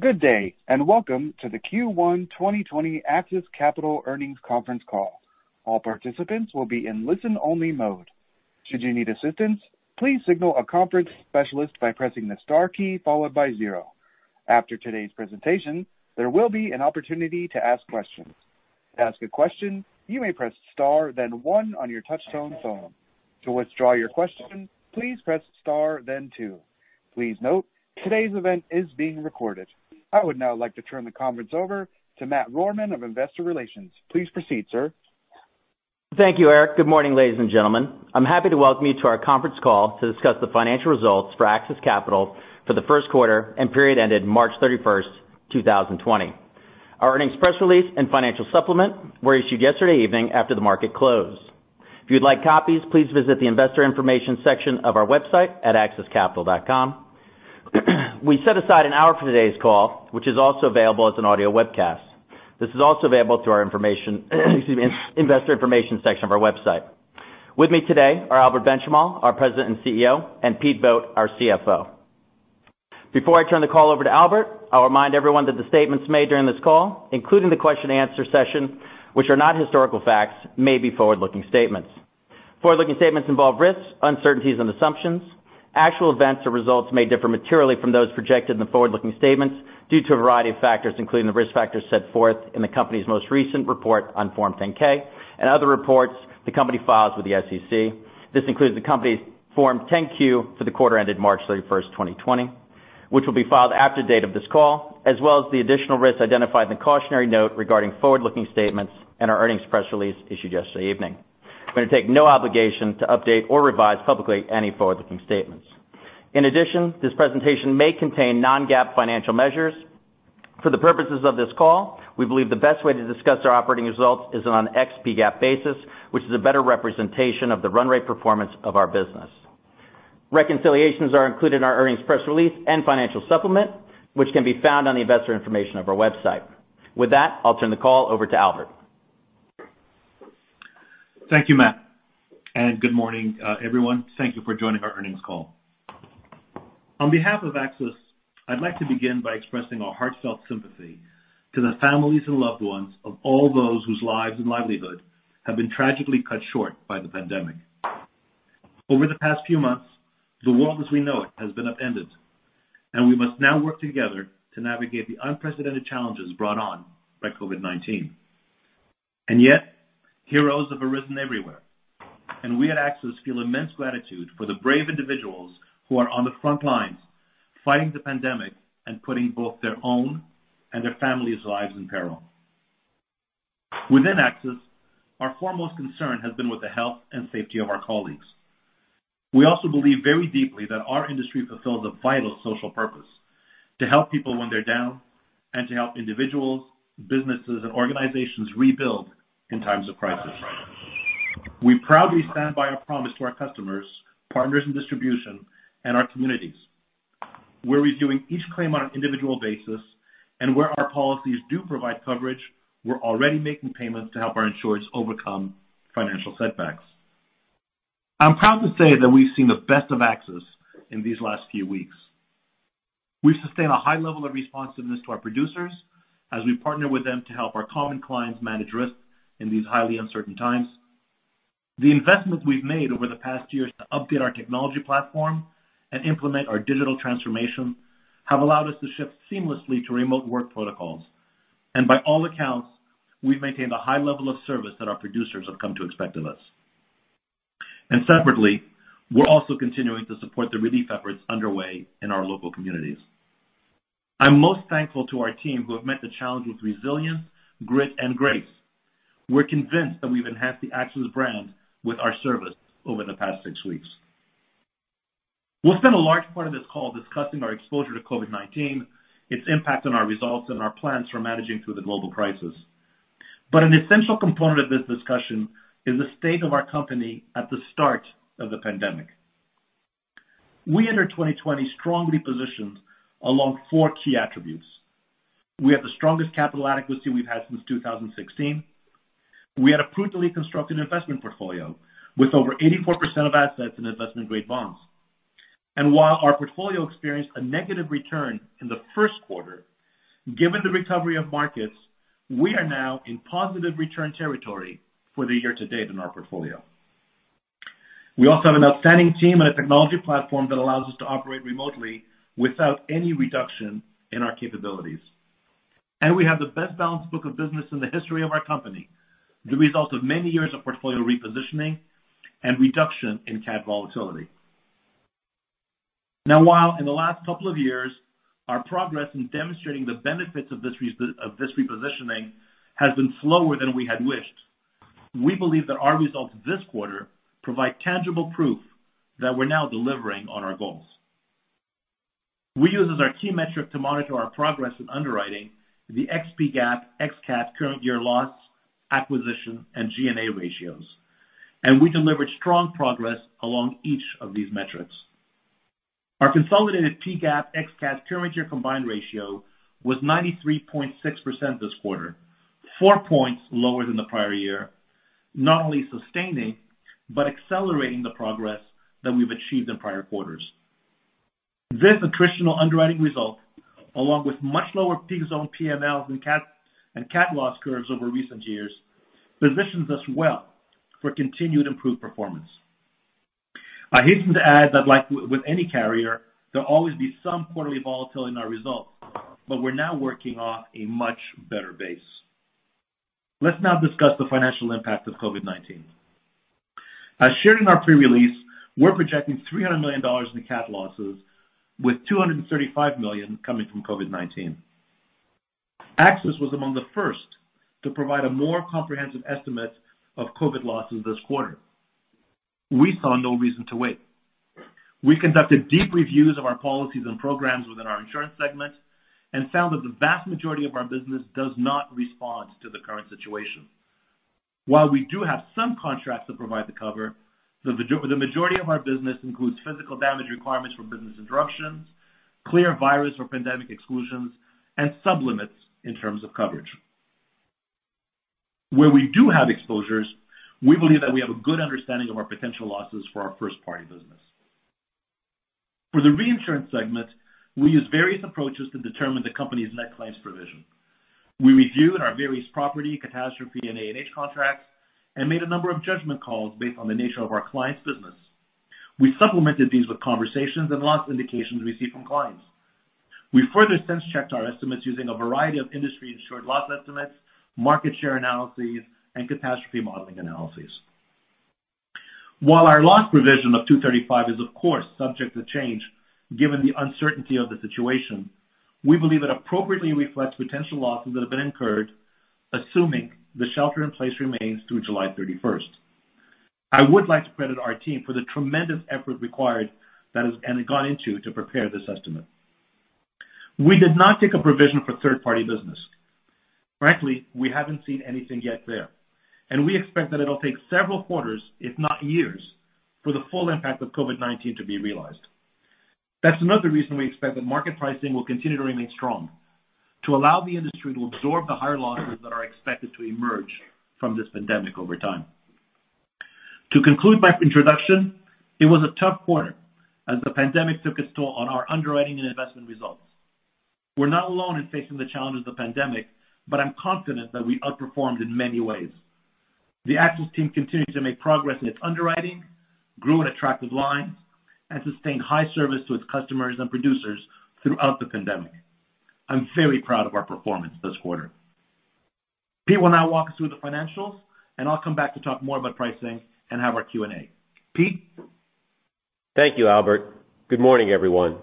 Good day, and welcome to the Q1 2020 AXIS Capital earnings conference call. All participants will be in listen-only mode. Should you need assistance, please signal a conference specialist by pressing the star key followed by zero. After today's presentation, there will be an opportunity to ask questions. To ask a question, you may press star then one on your touch-tone phone. To withdraw your question, please press star then two. Please note, today's event is being recorded. I would now like to turn the conference over to Matt Rohrmann of Investor Relations. Please proceed, sir. Thank you, Eric. Good morning, ladies and gentlemen. I'm happy to welcome you to our conference call to discuss the financial results for AXIS Capital for the first quarter and period ending March 31st, 2020. Our earnings press release and financial supplement were issued yesterday evening after the market closed. If you'd like copies, please visit the investor information section of our website at axiscapital.com. We set aside an hour for today's call, which is also available as an audio webcast. This is also available through our investor information section of our website. With me today are Albert Benchimol, our President and CEO, and Pete Vogt, our CFO. Before I turn the call over to Albert, I'll remind everyone that the statements made during this call, including the question answer session, which are not historical facts, may be forward-looking statements. Forward-looking statements involve risks, uncertainties, and assumptions. Actual events or results may differ materially from those projected in the forward-looking statements due to a variety of factors, including the risk factors set forth in the company's most recent report on Form 10-K and other reports the company files with the SEC. This includes the company's Form 10-Q for the quarter ending March 31st, 2020, which will be filed after the date of this call, as well as the additional risks identified in the cautionary note regarding forward-looking statements in our earnings press release issued yesterday evening. We're going to take no obligation to update or revise publicly any forward-looking statements. In addition, this presentation may contain non-GAAP financial measures. For the purposes of this call, we believe the best way to discuss our operating results is on an ex-PGAAP basis, which is a better representation of the run rate performance of our business. Reconciliations are included in our earnings press release and financial supplement, which can be found on the investor information of our website. With that, I'll turn the call over to Albert. Thank you, Matt, good morning, everyone. Thank you for joining our earnings call. On behalf of AXIS, I'd like to begin by expressing our heartfelt sympathy to the families and loved ones of all those whose lives and livelihood have been tragically cut short by the pandemic. Over the past few months, the world as we know it has been upended, and we must now work together to navigate the unprecedented challenges brought on by COVID-19. Yet, heroes have arisen everywhere. We at AXIS feel immense gratitude for the brave individuals who are on the front lines fighting the pandemic and putting both their own and their families' lives in peril. Within AXIS, our foremost concern has been with the health and safety of our colleagues. We also believe very deeply that our industry fulfills a vital social purpose to help people when they're down and to help individuals, businesses, and organizations rebuild in times of crisis. We proudly stand by our promise to our customers, partners in distribution, and our communities. We're reviewing each claim on an individual basis, and where our policies do provide coverage, we're already making payments to help our insurers overcome financial setbacks. I'm proud to say that we've seen the best of AXIS in these last few weeks. We've sustained a high level of responsiveness to our producers as we partner with them to help our common clients manage risks in these highly uncertain times. The investments we've made over the past years to update our technology platform and implement our digital transformation have allowed us to shift seamlessly to remote work protocols. By all accounts, we've maintained a high level of service that our producers have come to expect of us. Separately, we're also continuing to support the relief efforts underway in our local communities. I'm most thankful to our team who have met the challenge with resilience, grit, and grace. We're convinced that we've enhanced the AXIS brand with our service over the past six weeks. We'll spend a large part of this call discussing our exposure to COVID-19, its impact on our results, and our plans for managing through the global crisis. An essential component of this discussion is the state of our company at the start of the pandemic. We entered 2020 strongly positioned along four key attributes. We have the strongest capital adequacy we've had since 2016. We had a prudently constructed investment portfolio with over 84% of assets in investment-grade bonds. While our portfolio experienced a negative return in the first quarter, given the recovery of markets, we are now in positive return territory for the year to date in our portfolio. We also have an outstanding team and a technology platform that allows us to operate remotely without any reduction in our capabilities. We have the best balance book of business in the history of our company, the result of many years of portfolio repositioning and reduction in cat volatility. While in the last couple of years, our progress in demonstrating the benefits of this repositioning has been slower than we had wished, we believe that our results this quarter provide tangible proof that we're now delivering on our goals. We use as our key metric to monitor our progress in underwriting the ex-PGAAP, ex-CAT current year loss, acquisition, and G&A ratios. We delivered strong progress along each of these metrics. Our consolidated ex-PGAAP ex-CAT current year combined ratio was 93.6% this quarter, four points lower than the prior year. Not only sustaining, but accelerating the progress that we've achieved in prior quarters. This attritional underwriting result, along with much lower peak zone PMLs and CAT loss curves over recent years, positions us well for continued improved performance. I hasten to add that like with any carrier, there'll always be some quarterly volatility in our results, but we're now working off a much better base. Let's now discuss the financial impact of COVID-19. As shared in our pre-release, we're projecting $300 million in CAT losses with $235 million coming from COVID-19. AXIS was among the first to provide a more comprehensive estimate of COVID-19 losses this quarter. We saw no reason to wait. We conducted deep reviews of our policies and programs within our insurance segments and found that the vast majority of our business does not respond to the current situation. While we do have some contracts that provide the cover, the majority of our business includes physical damage requirements for business interruptions, clear virus or pandemic exclusions, and sub-limits in terms of coverage. Where we do have exposures, we believe that we have a good understanding of our potential losses for our first-party business. For the reinsurance segment, we use various approaches to determine the company's net claims provision. We reviewed our various property, catastrophe, and A&H contracts and made a number of judgment calls based on the nature of our clients' business. We supplemented these with conversations and loss indications received from clients. We further sense-checked our estimates using a variety of industry insured loss estimates, market share analyses, and catastrophe modeling analyses. While our loss provision of $235 million is, of course, subject to change, given the uncertainty of the situation, we believe it appropriately reflects potential losses that have been incurred, assuming the shelter-in-place remains through July 31st. I would like to credit our team for the tremendous effort required that has gone into prepare this estimate. We did not take a provision for third-party business. Frankly, we haven't seen anything yet there, and we expect that it'll take several quarters, if not years, for the full impact of COVID-19 to be realized. That's another reason we expect that market pricing will continue to remain strong, to allow the industry to absorb the higher losses that are expected to emerge from this pandemic over time. To conclude my introduction, it was a tough quarter as the pandemic took a toll on our underwriting and investment results. We're not alone in facing the challenges of pandemic, but I'm confident that we outperformed in many ways. The AXIS team continued to make progress in its underwriting, grew in attractive lines, and sustained high service to its customers and producers throughout the pandemic. I'm very proud of our performance this quarter. Pete will now walk us through the financials. I'll come back to talk more about pricing and have our Q&A. Pete? Thank you, Albert. Good morning, everyone.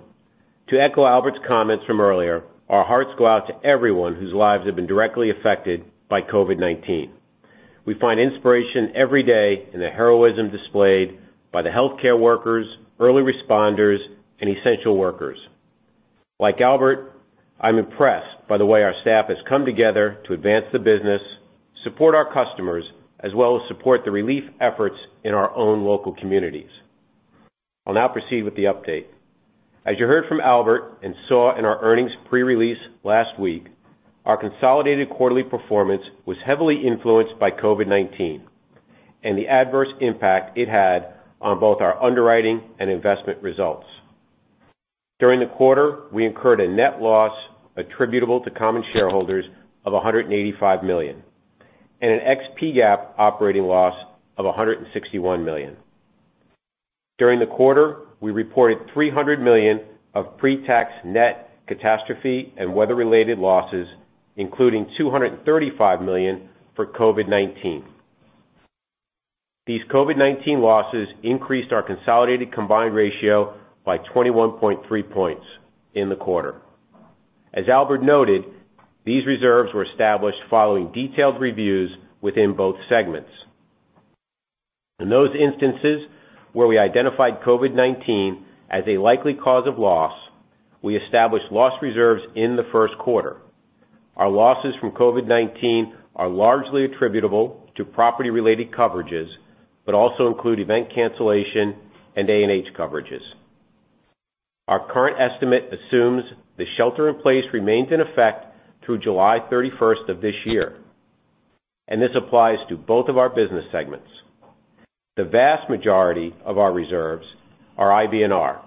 To echo Albert's comments from earlier, our hearts go out to everyone whose lives have been directly affected by COVID-19. We find inspiration every day in the heroism displayed by the healthcare workers, early responders, and essential workers. Like Albert, I'm impressed by the way our staff has come together to advance the business, support our customers, as well as support the relief efforts in our own local communities. I'll now proceed with the update. As you heard from Albert and saw in our earnings pre-release last week, our consolidated quarterly performance was heavily influenced by COVID-19 and the adverse impact it had on both our underwriting and investment results. During the quarter, we incurred a net loss attributable to common shareholders of $185 million and an ex-GAAP operating loss of $161 million. During the quarter, we reported $300 million of pre-tax net catastrophe and weather-related losses, including $235 million for COVID-19. These COVID-19 losses increased our consolidated combined ratio by 21.3 points in the quarter. As Albert noted, these reserves were established following detailed reviews within both segments. In those instances where we identified COVID-19 as a likely cause of loss, we established loss reserves in the first quarter. Our losses from COVID-19 are largely attributable to property-related coverages, but also include event cancellation and A&H coverages. Our current estimate assumes the shelter-in-place remains in effect through July 31st of this year, and this applies to both of our business segments. The vast majority of our reserves are IBNR.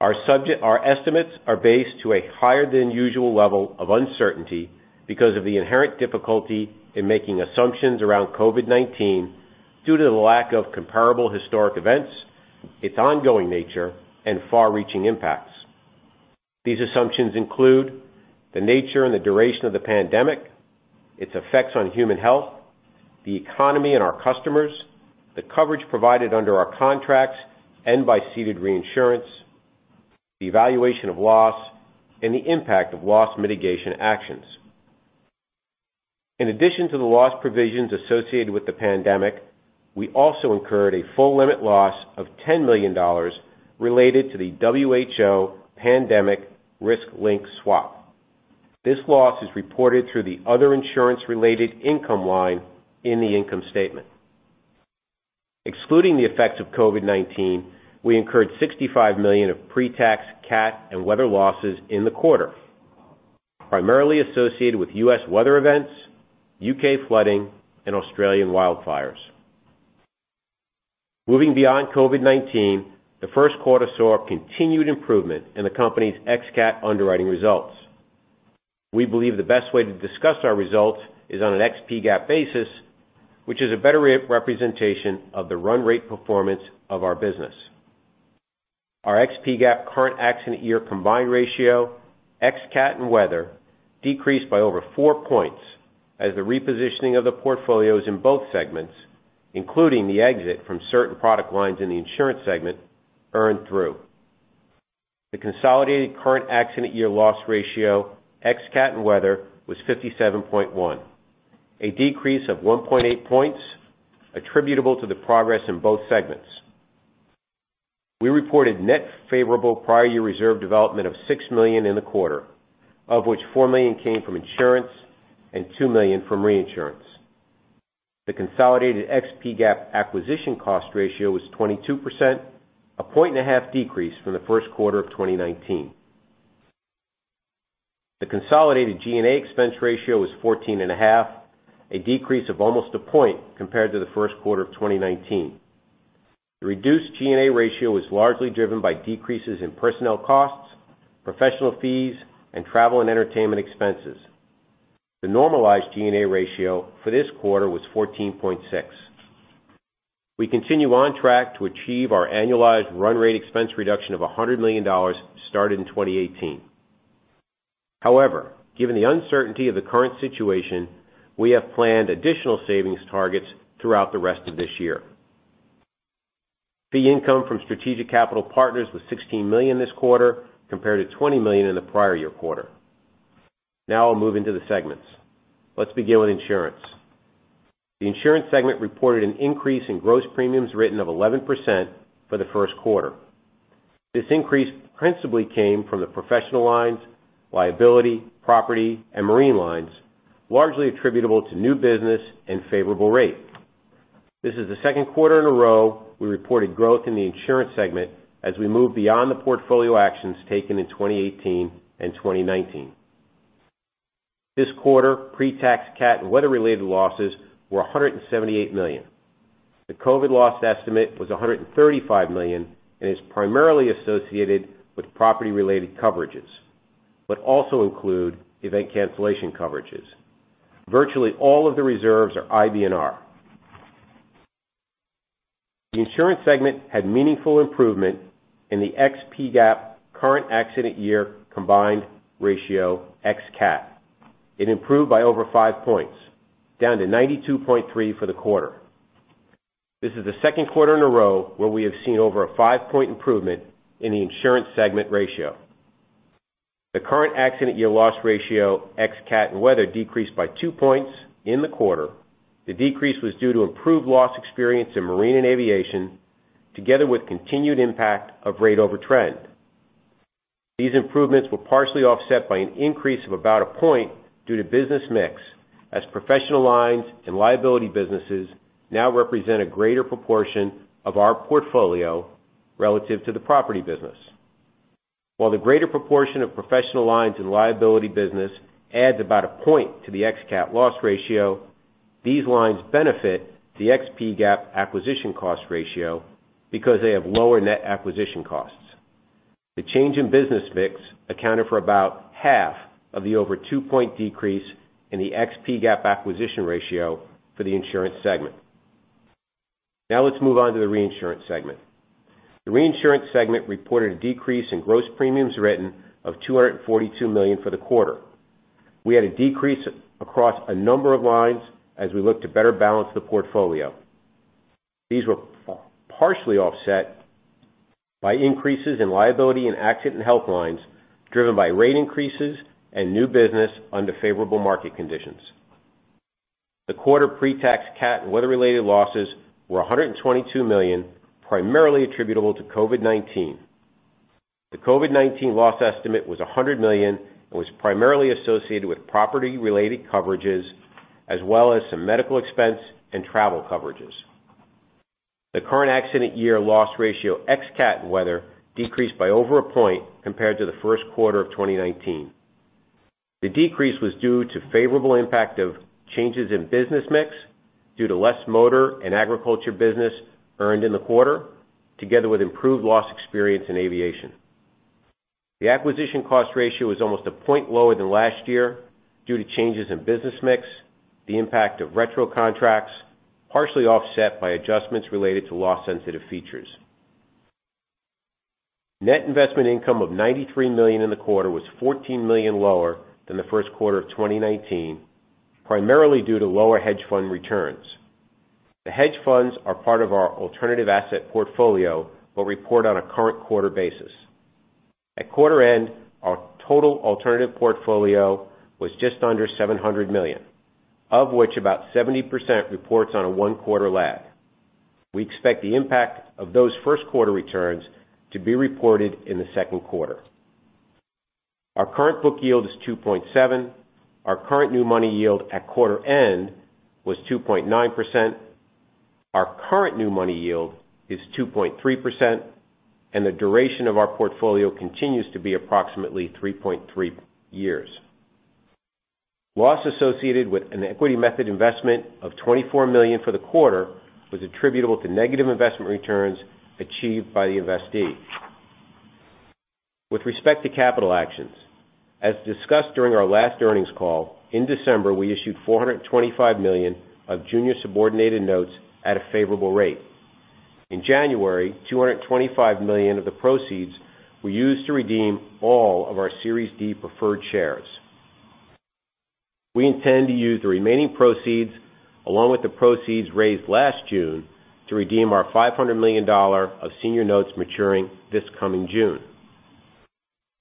Our estimates are based to a higher than usual level of uncertainty because of the inherent difficulty in making assumptions around COVID-19 due to the lack of comparable historic events, its ongoing nature, and far-reaching impacts. These assumptions include the nature and the duration of the pandemic, its effects on human health, the economy and our customers, the coverage provided under our contracts and by ceded reinsurance, the evaluation of loss, and the impact of loss mitigation actions. In addition to the loss provisions associated with the pandemic, we also incurred a full limit loss of $10 million related to the WHO Pandemic Risk Link swap. This loss is reported through the other insurance-related income line in the income statement. Excluding the effects of COVID-19, we incurred $65 million of pre-tax CAT and weather losses in the quarter, primarily associated with U.S. weather events, U.K. flooding, and Australian wildfires. Moving beyond COVID-19, the first quarter saw continued improvement in the company's ex-CAT underwriting results. We believe the best way to discuss our results is on an ex-PGAAP basis, which is a better representation of the run rate performance of our business. Our ex-PGAAP current accident year combined ratio, ex-CAT and weather, decreased by over 4 points as the repositioning of the portfolios in both segments, including the exit from certain product lines in the insurance segment, earned through. The consolidated current accident year loss ratio, ex-CAT and weather, was 57.1%, a decrease of 1.8 points attributable to the progress in both segments. We reported net favorable prior year reserve development of $6 million in the quarter, of which $4 million came from insurance and $2 million from reinsurance. The consolidated ex-PGAAP acquisition cost ratio was 22%, a point and a half decrease from the first quarter of 2019. The consolidated G&A expense ratio was 14.5%, a decrease of almost a point compared to the first quarter of 2019. The reduced G&A ratio was largely driven by decreases in personnel costs, professional fees, and travel and entertainment expenses. The normalized G&A ratio for this quarter was 14.6%. We continue on track to achieve our annualized run rate expense reduction of $100 million started in 2018. Given the uncertainty of the current situation, we have planned additional savings targets throughout the rest of this year. Fee income from strategic capital partners was $16 million this quarter, compared to $20 million in the prior year quarter. I'll move into the segments. Let's begin with insurance. The insurance segment reported an increase in gross premiums written of 11% for the first quarter. This increase principally came from the professional lines, liability, property, and marine lines, largely attributable to new business and favorable rate. This is the second quarter in a row we reported growth in the insurance segment as we move beyond the portfolio actions taken in 2018 and 2019. This quarter, pre-tax CAT and weather-related losses were $178 million. The COVID loss estimate was $135 million and is primarily associated with property-related coverages, but also include event cancellation coverages. Virtually all of the reserves are IBNR. The insurance segment had meaningful improvement in the ex-PGAAP current accident year combined ratio, ex-CAT. It improved by over five points, down to 92.3% for the quarter. This is the second quarter in a row where we have seen over a five-point improvement in the insurance segment ratio. The current accident year loss ratio, ex-CAT and weather, decreased by two points in the quarter. The decrease was due to improved loss experience in marine and aviation, together with continued impact of rate over trend. These improvements were partially offset by an increase of about a point due to business mix, as professional lines and liability businesses now represent a greater proportion of our portfolio relative to the property business. While the greater proportion of professional lines and liability business adds about a point to the ex-CAT loss ratio, these lines benefit the ex-PGAAP acquisition cost ratio because they have lower net acquisition costs. The change in business mix accounted for about half of the over two-point decrease in the ex-PGAAP acquisition ratio for the insurance segment. Let's move on to the reinsurance segment. The reinsurance segment reported a decrease in gross premiums written of $242 million for the quarter. We had a decrease across a number of lines as we look to better balance the portfolio. These were partially offset by increases in liability and accident and health lines driven by rate increases and new business under favorable market conditions. The quarter pre-tax CAT and weather-related losses were $122 million, primarily attributable to COVID-19. The COVID-19 loss estimate was $100 million and was primarily associated with property-related coverages as well as some medical expense and travel coverages. The current accident year loss ratio, ex-CAT and weather, decreased by over a point compared to the first quarter of 2019. The decrease was due to favorable impact of changes in business mix due to less motor and agriculture business earned in the quarter, together with improved loss experience in aviation. The acquisition cost ratio was almost a point lower than last year due to changes in business mix, the impact of retro contracts, partially offset by adjustments related to loss-sensitive features. Net investment income of $93 million in the quarter was $14 million lower than the first quarter of 2019, primarily due to lower hedge fund returns. The hedge funds are part of our alternative asset portfolio but report on a current quarter basis. At quarter end, our total alternative portfolio was just under $700 million, of which about 70% reports on a one-quarter lag. We expect the impact of those first quarter returns to be reported in the second quarter. Our current book yield is 2.7%. Our current new money yield at quarter end was 2.9%. Our current new money yield is 2.3%, and the duration of our portfolio continues to be approximately 3.3 years. Loss associated with an equity method investment of $24 million for the quarter was attributable to negative investment returns achieved by the investee. With respect to capital actions, as discussed during our last earnings call, in December, we issued $425 million of junior subordinated notes at a favorable rate. In January, $225 million of the proceeds were used to redeem all of our Series D preferred shares. We intend to use the remaining proceeds, along with the proceeds raised last June, to redeem our $500 million of senior notes maturing this coming June.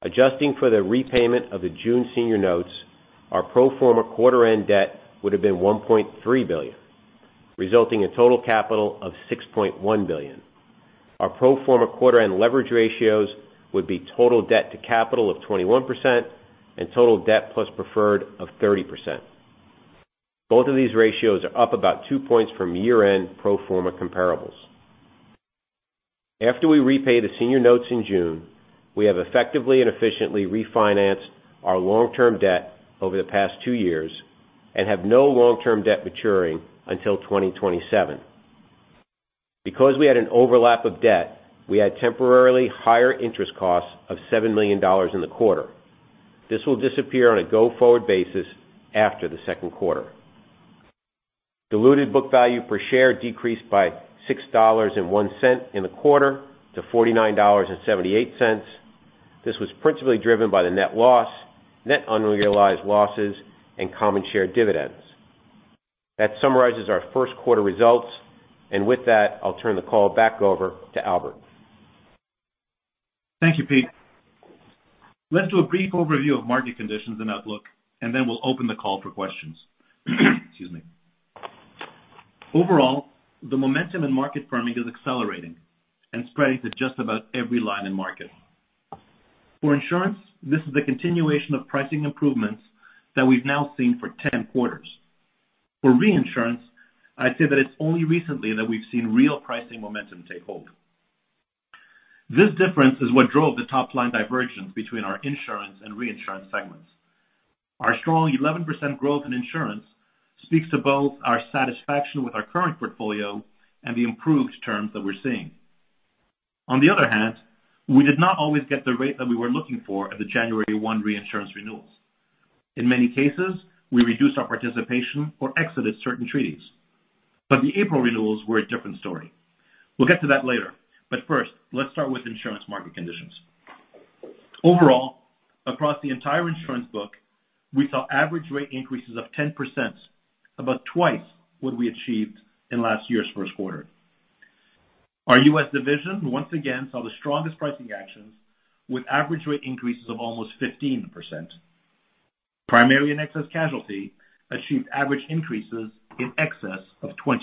Adjusting for the repayment of the June senior notes, our pro forma quarter-end debt would have been $1.3 billion, resulting in total capital of $6.1 billion. Our pro forma quarter-end leverage ratios would be total debt to capital of 21% and total debt plus preferred of 30%. Both of these ratios are up about two points from year-end pro forma comparables. After we repay the senior notes in June, we have effectively and efficiently refinanced our long-term debt over the past two years and have no long-term debt maturing until 2027. Because we had an overlap of debt, we had temporarily higher interest costs of $7 million in the quarter. This will disappear on a go-forward basis after the second quarter. Diluted book value per share decreased by $6.01 in the quarter to $49.78. This was principally driven by the net loss, net unrealized losses, and common share dividends. That summarizes our first quarter results, and with that, I'll turn the call back over to Albert. Thank you, Pete. Let's do a brief overview of market conditions and outlook, then we'll open the call for questions. Excuse me. Overall, the momentum in market firming is accelerating and spreading to just about every line and market. For insurance, this is a continuation of pricing improvements that we've now seen for 10 quarters. For reinsurance, I'd say that it's only recently that we've seen real pricing momentum take hold. This difference is what drove the top-line divergence between our insurance and reinsurance segments. Our strong 11% growth in insurance speaks to both our satisfaction with our current portfolio and the improved terms that we're seeing. On the other hand, we did not always get the rate that we were looking for at the January 1 reinsurance renewals. In many cases, we reduced our participation or exited certain treaties. The April renewals were a different story. We'll get to that later. First, let's start with insurance market conditions. Overall, across the entire insurance book, we saw average rate increases of 10%, about twice what we achieved in last year's first quarter. Our U.S. division once again saw the strongest pricing actions with average rate increases of almost 15%. Primary and excess casualty achieved average increases in excess of 20%.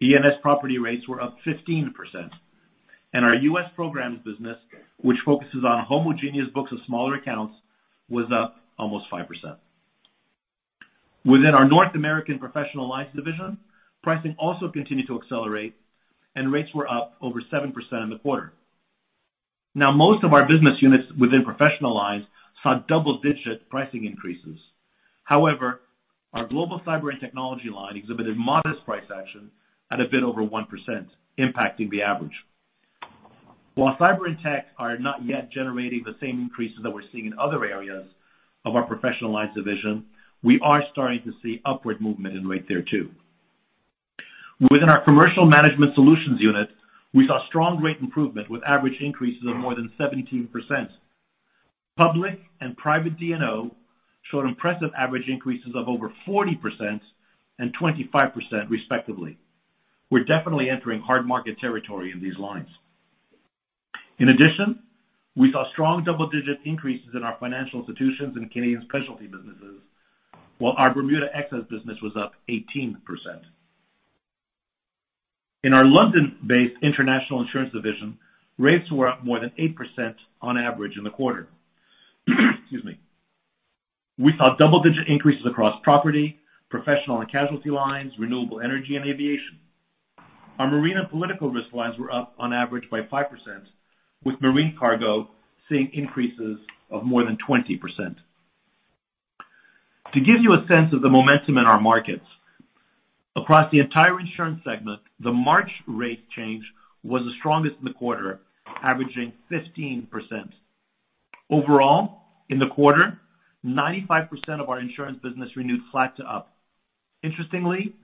E&S property rates were up 15%, Our U.S. programs business, which focuses on homogeneous books of smaller accounts, was up almost 5%. Within our North American professional lines division, pricing also continued to accelerate, and rates were up over 7% in the quarter. Most of our business units within professional lines saw double-digit pricing increases. However, our global cyber and technology line exhibited modest price action at a bit over 1%, impacting the average. While cyber and tech are not yet generating the same increases that we're seeing in other areas of our professional lines division, we are starting to see upward movement in rate there too. Within our Commercial Management Solutions unit, we saw strong rate improvement with average increases of more than 17%. Public and private D&O showed impressive average increases of over 40% and 25%, respectively. We're definitely entering hard market territory in these lines. We saw strong double-digit increases in our financial institutions and Canadian specialty businesses, while our Bermuda excess business was up 18%. In our London-based international insurance division, rates were up more than 8% on average in the quarter. Excuse me. We saw double-digit increases across property, professional and casualty lines, renewable energy, and aviation. Our marine and political risk lines were up on average by 5%, with marine cargo seeing increases of more than 20%. To give you a sense of the momentum in our markets, across the entire insurance segment, the March rate change was the strongest in the quarter, averaging 15%. Overall, in the quarter, 95% of our insurance business renewed flat to up. Interestingly,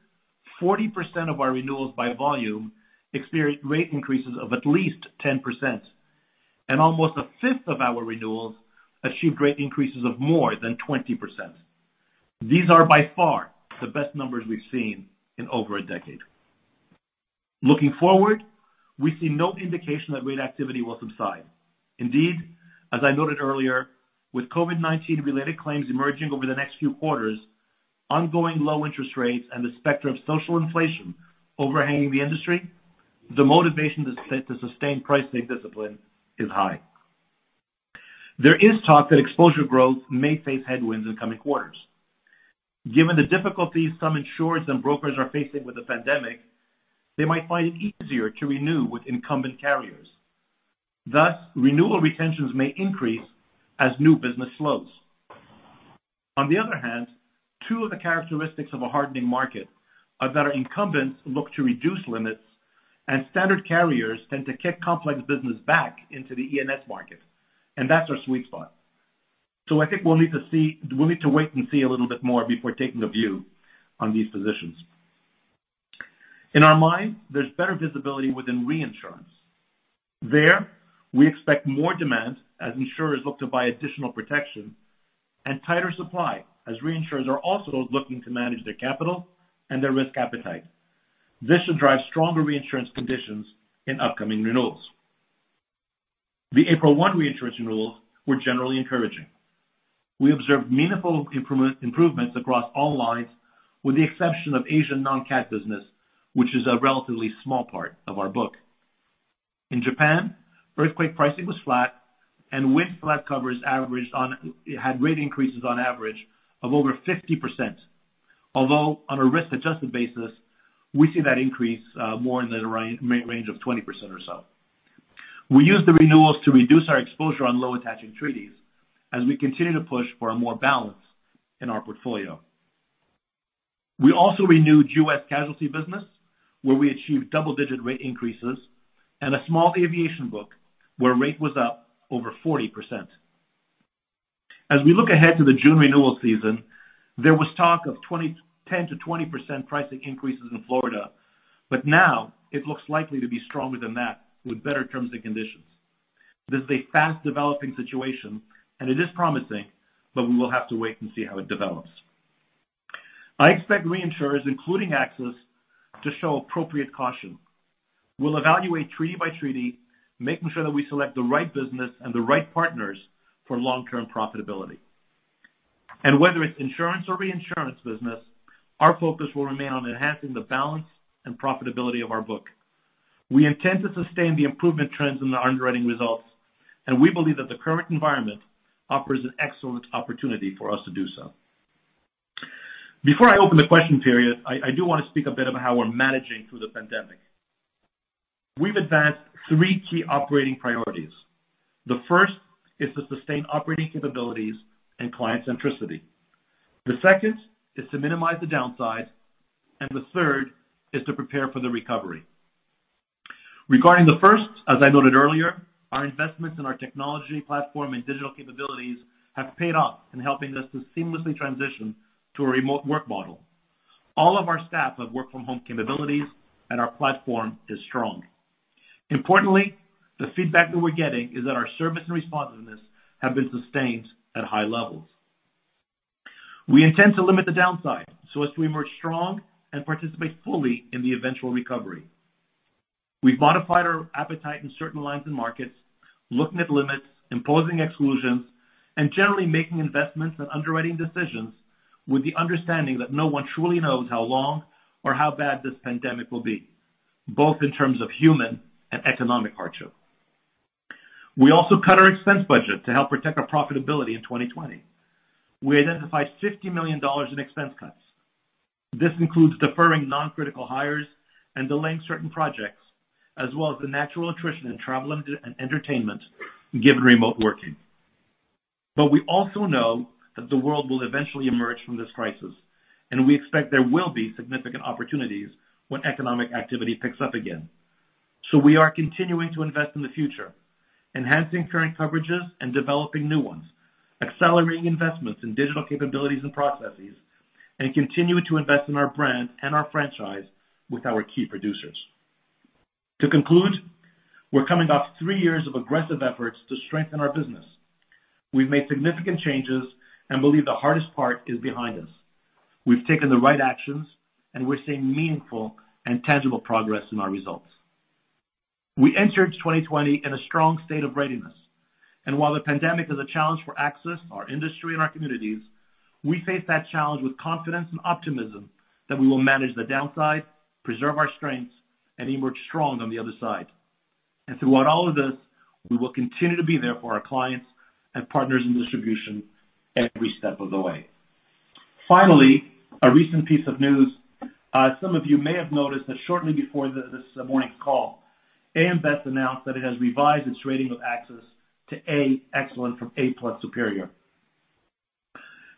40% of our renewals by volume experienced rate increases of at least 10%, and almost a fifth of our renewals achieved rate increases of more than 20%. These are by far the best numbers we've seen in over a decade. Looking forward, we see no indication that rate activity will subside. As I noted earlier, with COVID-19 related claims emerging over the next few quarters, ongoing low interest rates, and the specter of social inflation overhanging the industry, the motivation to sustain pricing discipline is high. There is talk that exposure growth may face headwinds in coming quarters. Given the difficulties some insurers and brokers are facing with the pandemic, they might find it easier to renew with incumbent carriers. Renewal retentions may increase as new business slows. Two of the characteristics of a hardening market are that our incumbents look to reduce limits and standard carriers tend to kick complex business back into the E&S market, and that's our sweet spot. I think we'll need to wait and see a little bit more before taking a view on these positions. In our mind, there's better visibility within reinsurance. We expect more demand as insurers look to buy additional protection and tighter supply, as reinsurers are also looking to manage their capital and their risk appetite. This should drive stronger reinsurance conditions in upcoming renewals. The April 1 reinsurance renewals were generally encouraging. We observed meaningful improvements across all lines, with the exception of Asian non-cat business, which is a relatively small part of our book. In Japan, earthquake pricing was flat and wind flat covers had rate increases on average of over 50%. Although on a risk-adjusted basis, we see that increase more in the range of 20% or so. We used the renewals to reduce our exposure on low attaching treaties as we continue to push for more balance in our portfolio. We also renewed U.S. casualty business, where we achieved double-digit rate increases and a small aviation book where rate was up over 40%. As we look ahead to the June renewal season, there was talk of 10%-20% pricing increases in Florida. Now it looks likely to be stronger than that with better terms and conditions. This is a fast-developing situation and it is promising, but we will have to wait and see how it develops. I expect reinsurers, including AXIS, to show appropriate caution. We'll evaluate treaty by treaty, making sure that we select the right business and the right partners for long-term profitability. Whether it's insurance or reinsurance business, our focus will remain on enhancing the balance and profitability of our book. We intend to sustain the improvement trends in the underwriting results, and we believe that the current environment offers an excellent opportunity for us to do so. Before I open the question period, I do want to speak a bit about how we're managing through the pandemic. We've advanced three key operating priorities. The first is to sustain operating capabilities and client centricity. The second is to minimize the downside, and the third is to prepare for the recovery. Regarding the first, as I noted earlier, our investments in our technology platform and digital capabilities have paid off in helping us to seamlessly transition to a remote work model. All of our staff have work-from-home capabilities and our platform is strong. Importantly, the feedback that we're getting is that our service and responsiveness have been sustained at high levels. We intend to limit the downside so as to emerge strong and participate fully in the eventual recovery. We've modified our appetite in certain lines and markets, looking at limits, imposing exclusions, and generally making investments and underwriting decisions with the understanding that no one truly knows how long or how bad this pandemic will be, both in terms of human and economic hardship. We also cut our expense budget to help protect our profitability in 2020. We identified $50 million in expense cuts. This includes deferring non-critical hires and delaying certain projects, as well as the natural attrition in travel and entertainment given remote working. We also know that the world will eventually emerge from this crisis, and we expect there will be significant opportunities when economic activity picks up again. We are continuing to invest in the future, enhancing current coverages and developing new ones, accelerating investments in digital capabilities and processes, and continuing to invest in our brand and our franchise with our key producers. To conclude, we're coming off three years of aggressive efforts to strengthen our business. We've made significant changes and believe the hardest part is behind us. We've taken the right actions and we're seeing meaningful and tangible progress in our results. We entered 2020 in a strong state of readiness, while the pandemic is a challenge for AXIS, our industry, and our communities, we face that challenge with confidence and optimism that we will manage the downside, preserve our strengths, and emerge strong on the other side. Throughout all of this, we will continue to be there for our clients and partners in distribution every step of the way. Finally, a recent piece of news. Some of you may have noticed that shortly before this morning's call, AM Best announced that it has revised its rating of AXIS to A, Excellent, from A Plus, Superior.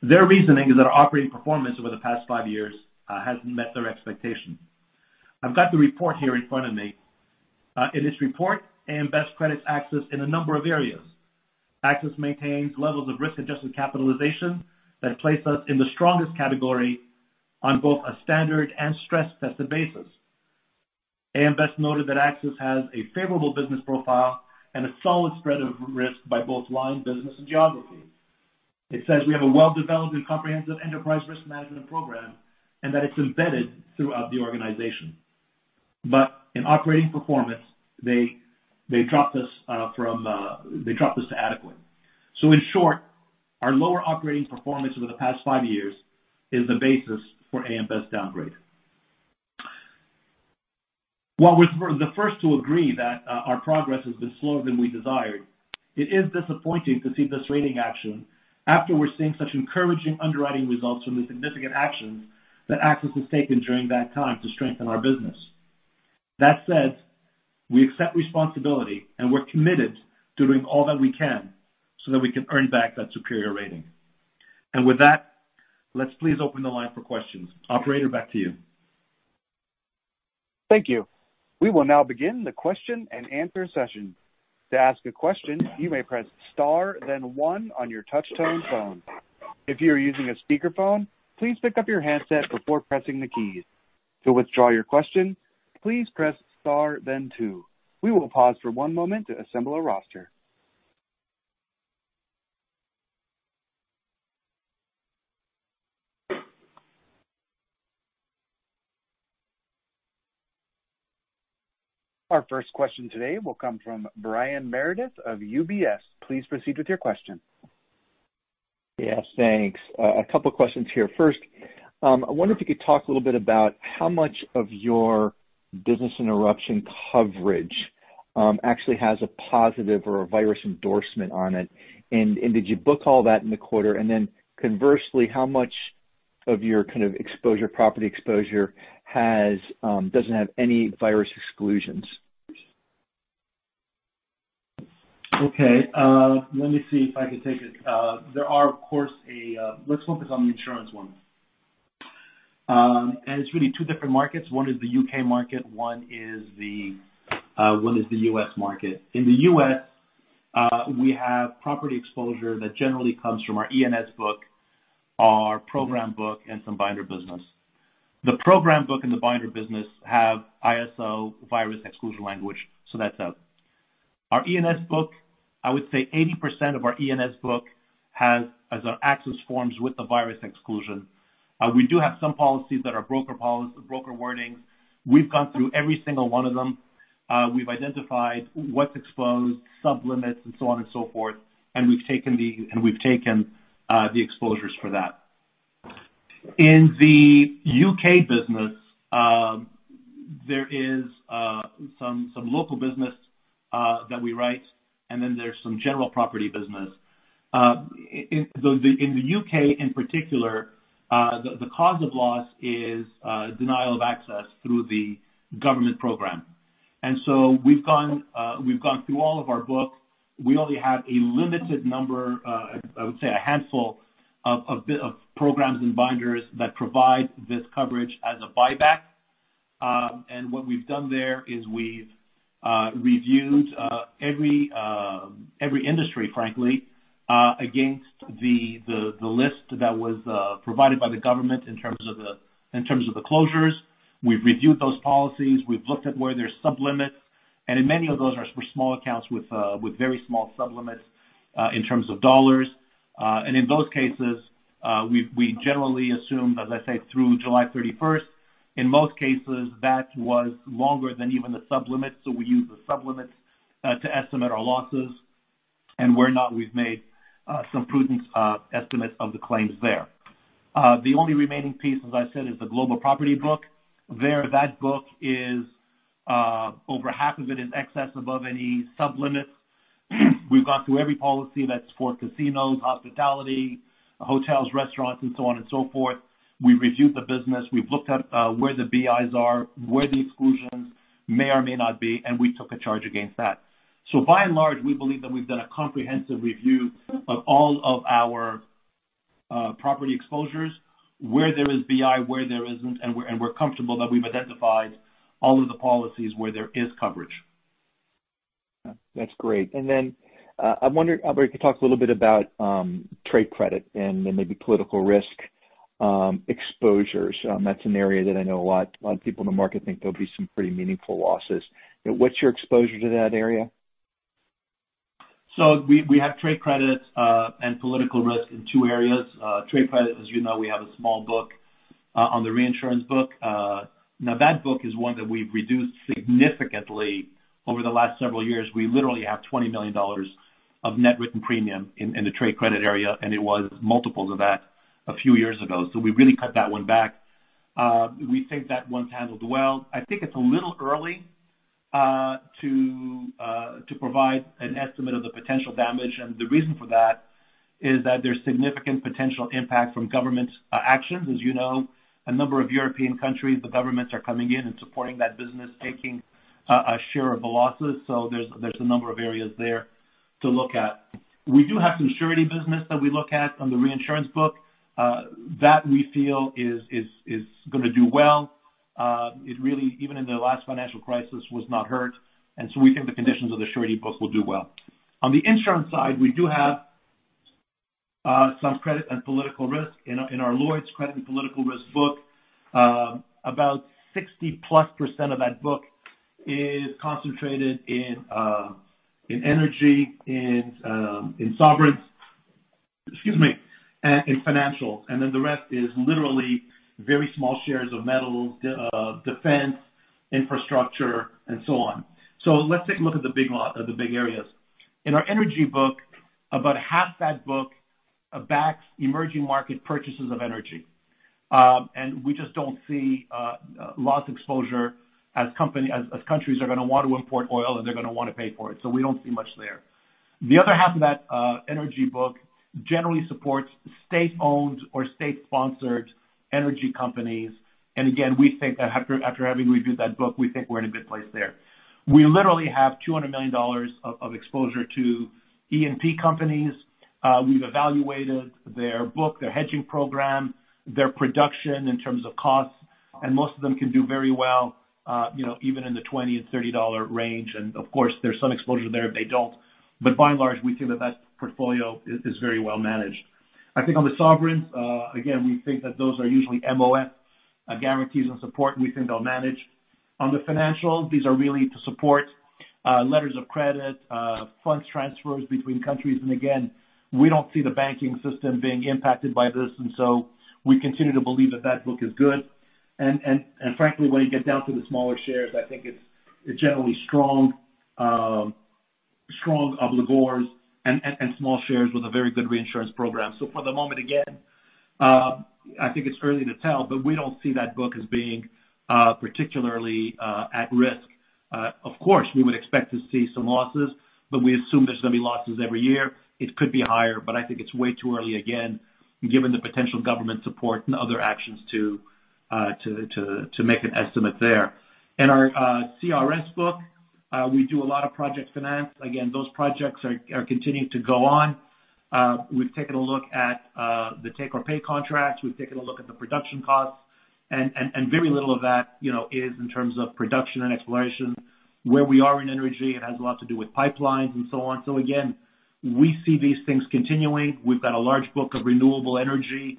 Their reasoning is that our operating performance over the past five years hasn't met their expectations. I've got the report here in front of me. In its report, AM Best credits AXIS in a number of areas. AXIS maintains levels of risk-adjusted capitalization that place us in the strongest category on both a standard and stress-tested basis. AM Best noted that AXIS has a favorable business profile and a solid spread of risk by both line business and geographies. It says we have a well-developed and comprehensive enterprise risk management program and that it's embedded throughout the organization. In operating performance, they dropped us to adequate. In short, our lower operating performance over the past five years is the basis for AM Best downgrade. While we're the first to agree that our progress has been slower than we desired, it is disappointing to see this rating action after we're seeing such encouraging underwriting results from the significant actions that AXIS has taken during that time to strengthen our business. That said, we accept responsibility, and we're committed to doing all that we can so that we can earn back that superior rating. With that, let's please open the line for questions. Operator, back to you. Thank you. We will now begin the question and answer session. To ask a question, you may press star, then one on your touch-tone phone. If you are using a speakerphone, please pick up your handset before pressing the keys. To withdraw your question, please press star then two. We will pause for one moment to assemble a roster. Our first question today will come from Brian Meredith of UBS. Please proceed with your question. Yes, thanks. A couple of questions here. First, I wonder if you could talk a little bit about how much of your business interruption coverage actually has a positive or a virus endorsement on it, and did you book all that in the quarter? Conversely, how much of your property exposure doesn't have any virus exclusions? Okay. Let me see if I can take it. Let's focus on the insurance one. It's really two different markets. One is the U.K. market, one is the U.S. market. In the U.S., we have property exposure that generally comes from our E&S book, our program book, and some binder business. The program book and the binder business have ISO virus exclusion language, that's out. Our E&S book, I would say 80% of our E&S book has our AXIS forms with the virus exclusion. We do have some policies that are broker wordings. We've gone through every single one of them. We've identified what's exposed, sub-limits, and so on and so forth, and we've taken the exposures for that. In the U.K. business, there is some local business that we write, there's some general property business. In the U.K. in particular, the cause of loss is denial of access through the government program. We've gone through all of our books. We only have a limited number, I would say a handful of programs and binders that provide this coverage as a buyback. What we've done there is we've reviewed every industry, frankly, against the list that was provided by the government in terms of the closures. We've reviewed those policies. We've looked at where there's sub-limits, and in many of those are small accounts with very small sub-limits in terms of $. In those cases, we generally assume, as I say, through July 31st, in most cases, that was longer than even the sub-limits, we use the sub-limits to estimate our losses. Where not, we've made some prudent estimates of the claims there. The only remaining piece, as I said, is the global property book. There, that book is over half of it in excess above any sub-limits. We've gone through every policy that's for casinos, hospitality, hotels, restaurants, and so on and so forth. We've reviewed the business. We've looked at where the BIs are, where the exclusions may or may not be, we took a charge against that. By and large, we believe that we've done a comprehensive review of all of our property exposures, where there is BI, where there isn't, and we're comfortable that we've identified all of the policies where there is coverage. I wonder if we could talk a little bit about trade credit and then maybe political risk exposures. That's an area that I know a lot of people in the market think there'll be some pretty meaningful losses. What's your exposure to that area? We have trade credits, and political risk in two areas. Trade credit, as you know, we have a small book on the reinsurance book. That book is one that we've reduced significantly over the last several years. We literally have $20 million of net written premium in the trade credit area, and it was multiples of that a few years ago. We really cut that one back. We think that one's handled well. I think it's a little early to provide an estimate of the potential damage, the reason for that is that there's significant potential impact from government actions. As you know, a number of European countries, the governments are coming in and supporting that business, taking a share of the losses. There's a number of areas there to look at. We do have some surety business that we look at on the reinsurance book. That we feel is going to do well. It really, even in the last financial crisis, was not hurt, we think the conditions of the surety book will do well. On the insurance side, we do have some credit and political risk in our Lloyd's credit and political risk book. About 60-plus% of that book is concentrated in energy, in sovereigns. Excuse me. In financials, the rest is literally very small shares of metal, defense, infrastructure, and so on. Let's take a look at the big areas. In our energy book, about half that book backs emerging market purchases of energy. We just don't see loss exposure as countries are going to want to import oil, they're going to want to pay for it. We don't see much there. The other half of that energy book generally supports state-owned or state-sponsored energy companies. Again, we think that after having reviewed that book, we think we're in a good place there. We literally have $200 million of exposure to E&P companies. We've evaluated their book, their hedging program, their production in terms of costs, most of them can do very well even in the $20 and $30 range. Of course, there's some exposure there if they don't. By and large, we think that that portfolio is very well managed. I think on the sovereigns, again, we think that those are usually MOF guarantees and support, we think they'll manage. On the financials, these are really to support letters of credit, funds transfers between countries. Again, we don't see the banking system being impacted by this, so we continue to believe that that book is good. Frankly, when you get down to the smaller shares, I think it's generally strong obligors and small shares with a very good reinsurance program. For the moment, again, I think it's early to tell, but we don't see that book as being particularly at risk. Of course, we would expect to see some losses, but we assume there's going to be losses every year. It could be higher, but I think it's way too early, again, given the potential government support and other actions to make an estimate there. In our CRS book, we do a lot of project finance. Again, those projects are continuing to go on. We've taken a look at the take or pay contracts. We've taken a look at the production costs. Very little of that is in terms of production and exploration. Where we are in energy, it has a lot to do with pipelines and so on. Again, we see these things continuing. We've got a large book of renewable energy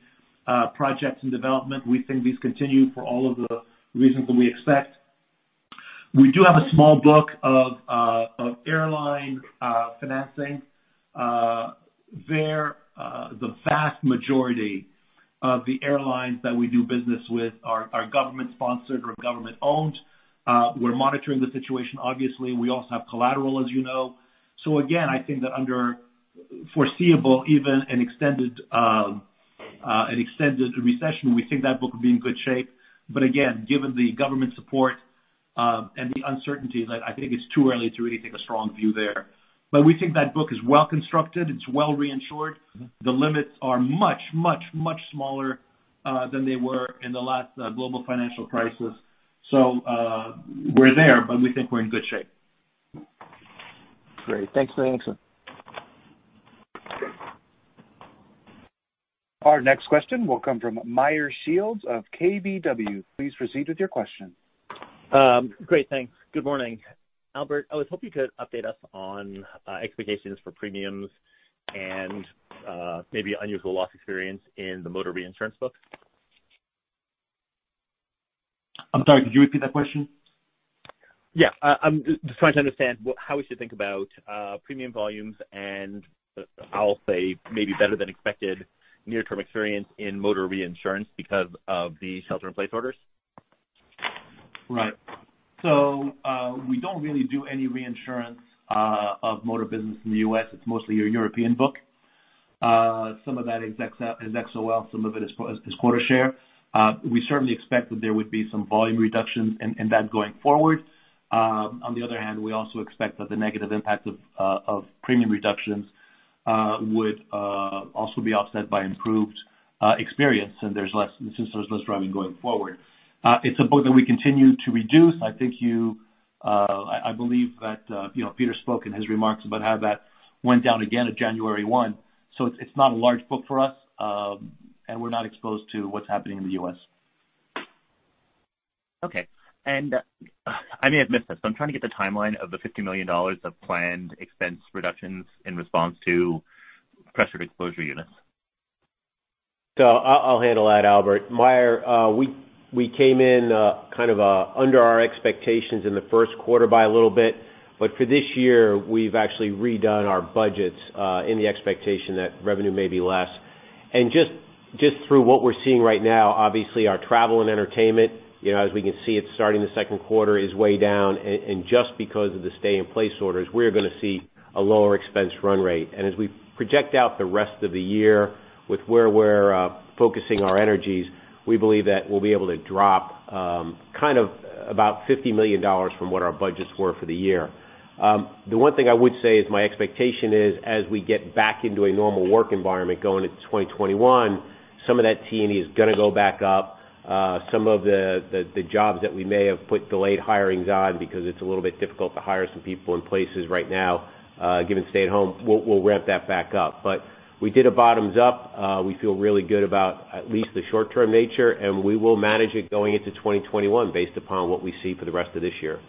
projects in development. We think these continue for all of the reasons that we expect. We do have a small book of airline financing. There, the vast majority of the airlines that we do business with are government-sponsored or government-owned. We're monitoring the situation, obviously. We also have collateral, as you know. Again, I think that under foreseeable, even an extended recession, we think that book would be in good shape. Again, given the government support, and the uncertainty that I think it's too early to really take a strong view there. We think that book is well-constructed, it's well reinsured. The limits are much, much, much smaller than they were in the last global financial crisis. We're there, but we think we're in good shape. Great. Thanks. Our next question will come from Meyer Shields of KBW. Please proceed with your question. Great, thanks. Good morning. Albert, I was hoping you could update us on expectations for premiums and maybe unusual loss experience in the motor reinsurance book. I'm sorry, could you repeat that question? Yeah. I'm just trying to understand how we should think about premium volumes and I'll say maybe better than expected near-term experience in motor reinsurance because of the shelter-in-place orders. Right. We don't really do any reinsurance of motor business in the U.S. It's mostly your European book. Some of that is XOL, some of it is quota share. We certainly expect that there would be some volume reductions in that going forward. On the other hand, we also expect that the negative impact of premium reductions would also be offset by improved experience since there's less driving going forward. It's a book that we continue to reduce. I believe that Pete spoke in his remarks about how that went down again at January one, so it's not a large book for us, and we're not exposed to what's happening in the U.S. Okay. I may have missed this, but I'm trying to get the timeline of the $50 million of planned expense reductions in response to pressured exposure units. I'll handle that, Albert. Meyer, we came in kind of under our expectations in the first quarter by a little bit. For this year, we've actually redone our budgets in the expectation that revenue may be less. Just through what we're seeing right now, obviously our travel and entertainment, as we can see it starting the second quarter, is way down. Just because of the stay-in-place orders, we're going to see a lower expense run rate. As we project out the rest of the year with where we're focusing our energies, we believe that we'll be able to drop kind of about $50 million from what our budgets were for the year. The one thing I would say is my expectation is as we get back into a normal work environment going into 2021, some of that T&E is going to go back up. Some of the jobs that we may have put delayed hirings on because it's a little bit difficult to hire some people in places right now given stay-at-home, we'll ramp that back up. We did a bottoms up. We feel really good about at least the short-term nature, and we will manage it going into 2021 based upon what we see for the rest of this year.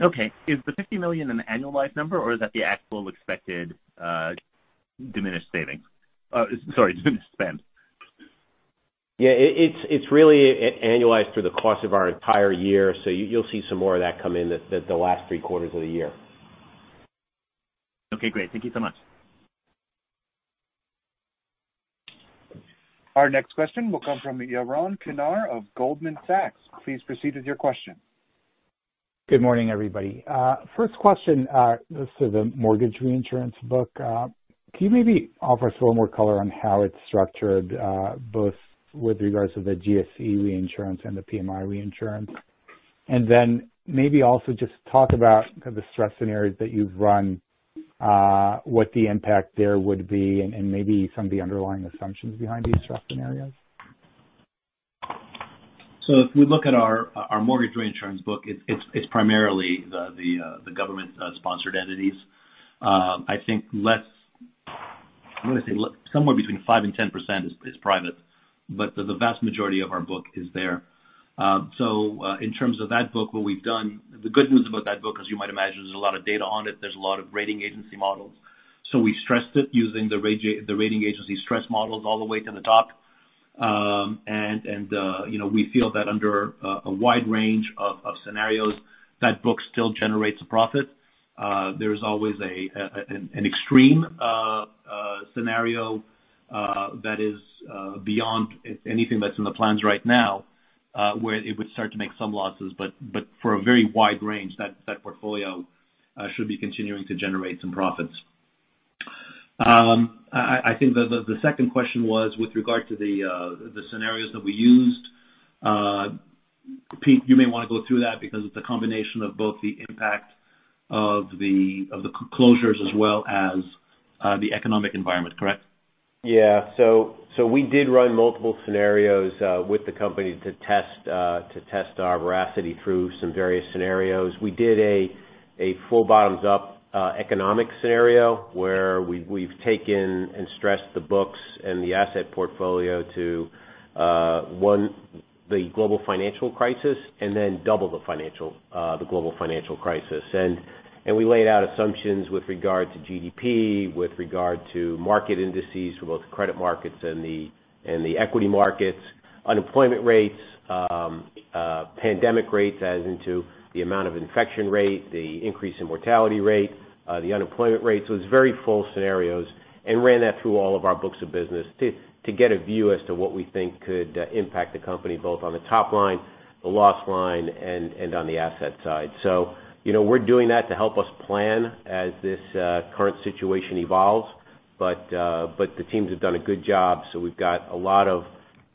Okay. Is the $50 million an annualized number or is that the actual expected diminished savings? Sorry, diminished spend. Yeah, it's really annualized through the course of our entire year. You'll see some more of that come in the last three quarters of the year. Okay, great. Thank you so much. Our next question will come from Yaron Kinar of Goldman Sachs. Please proceed with your question. Good morning, everybody. First question. This is a mortgage reinsurance book. Can you maybe offer us a little more color on how it's structured both with regards to the GSE reinsurance and the PMI reinsurance? Then maybe also just talk about the stress scenarios that you've run, what the impact there would be, and maybe some of the underlying assumptions behind these stress scenarios. If we look at our mortgage reinsurance book, it's primarily the government-sponsored entities. I think less, I want to say somewhere between five and 10% is private, but the vast majority of our book is there. In terms of that book, what we've done, the good news about that book, as you might imagine, there's a lot of data on it. There's a lot of rating agency models. We stressed it using the rating agency stress models all the way to the top. We feel that under a wide range of scenarios, that book still generates a profit. There's always an extreme scenario that is beyond anything that's in the plans right now, where it would start to make some losses, but for a very wide range, that portfolio should be continuing to generate some profits. I think that the second question was with regard to the scenarios that we used. Pete, you may want to go through that because it's a combination of both the impact of the closures as well as the economic environment, correct? Yeah. We did run multiple scenarios with the company to test our veracity through some various scenarios. We did a full bottoms-up economic scenario where we've taken and stressed the books and the asset portfolio to, one, the global financial crisis, and then double the global financial crisis. We laid out assumptions with regard to GDP, with regard to market indices for both credit markets and the equity markets, unemployment rates, pandemic rates as into the amount of infection rate, the increase in mortality rate, the unemployment rate. It's very full scenarios and ran that through all of our books of business to get a view as to what we think could impact the company, both on the top line, the loss line, and on the asset side. We're doing that to help us plan as this current situation evolves. The teams have done a good job. We've got a lot of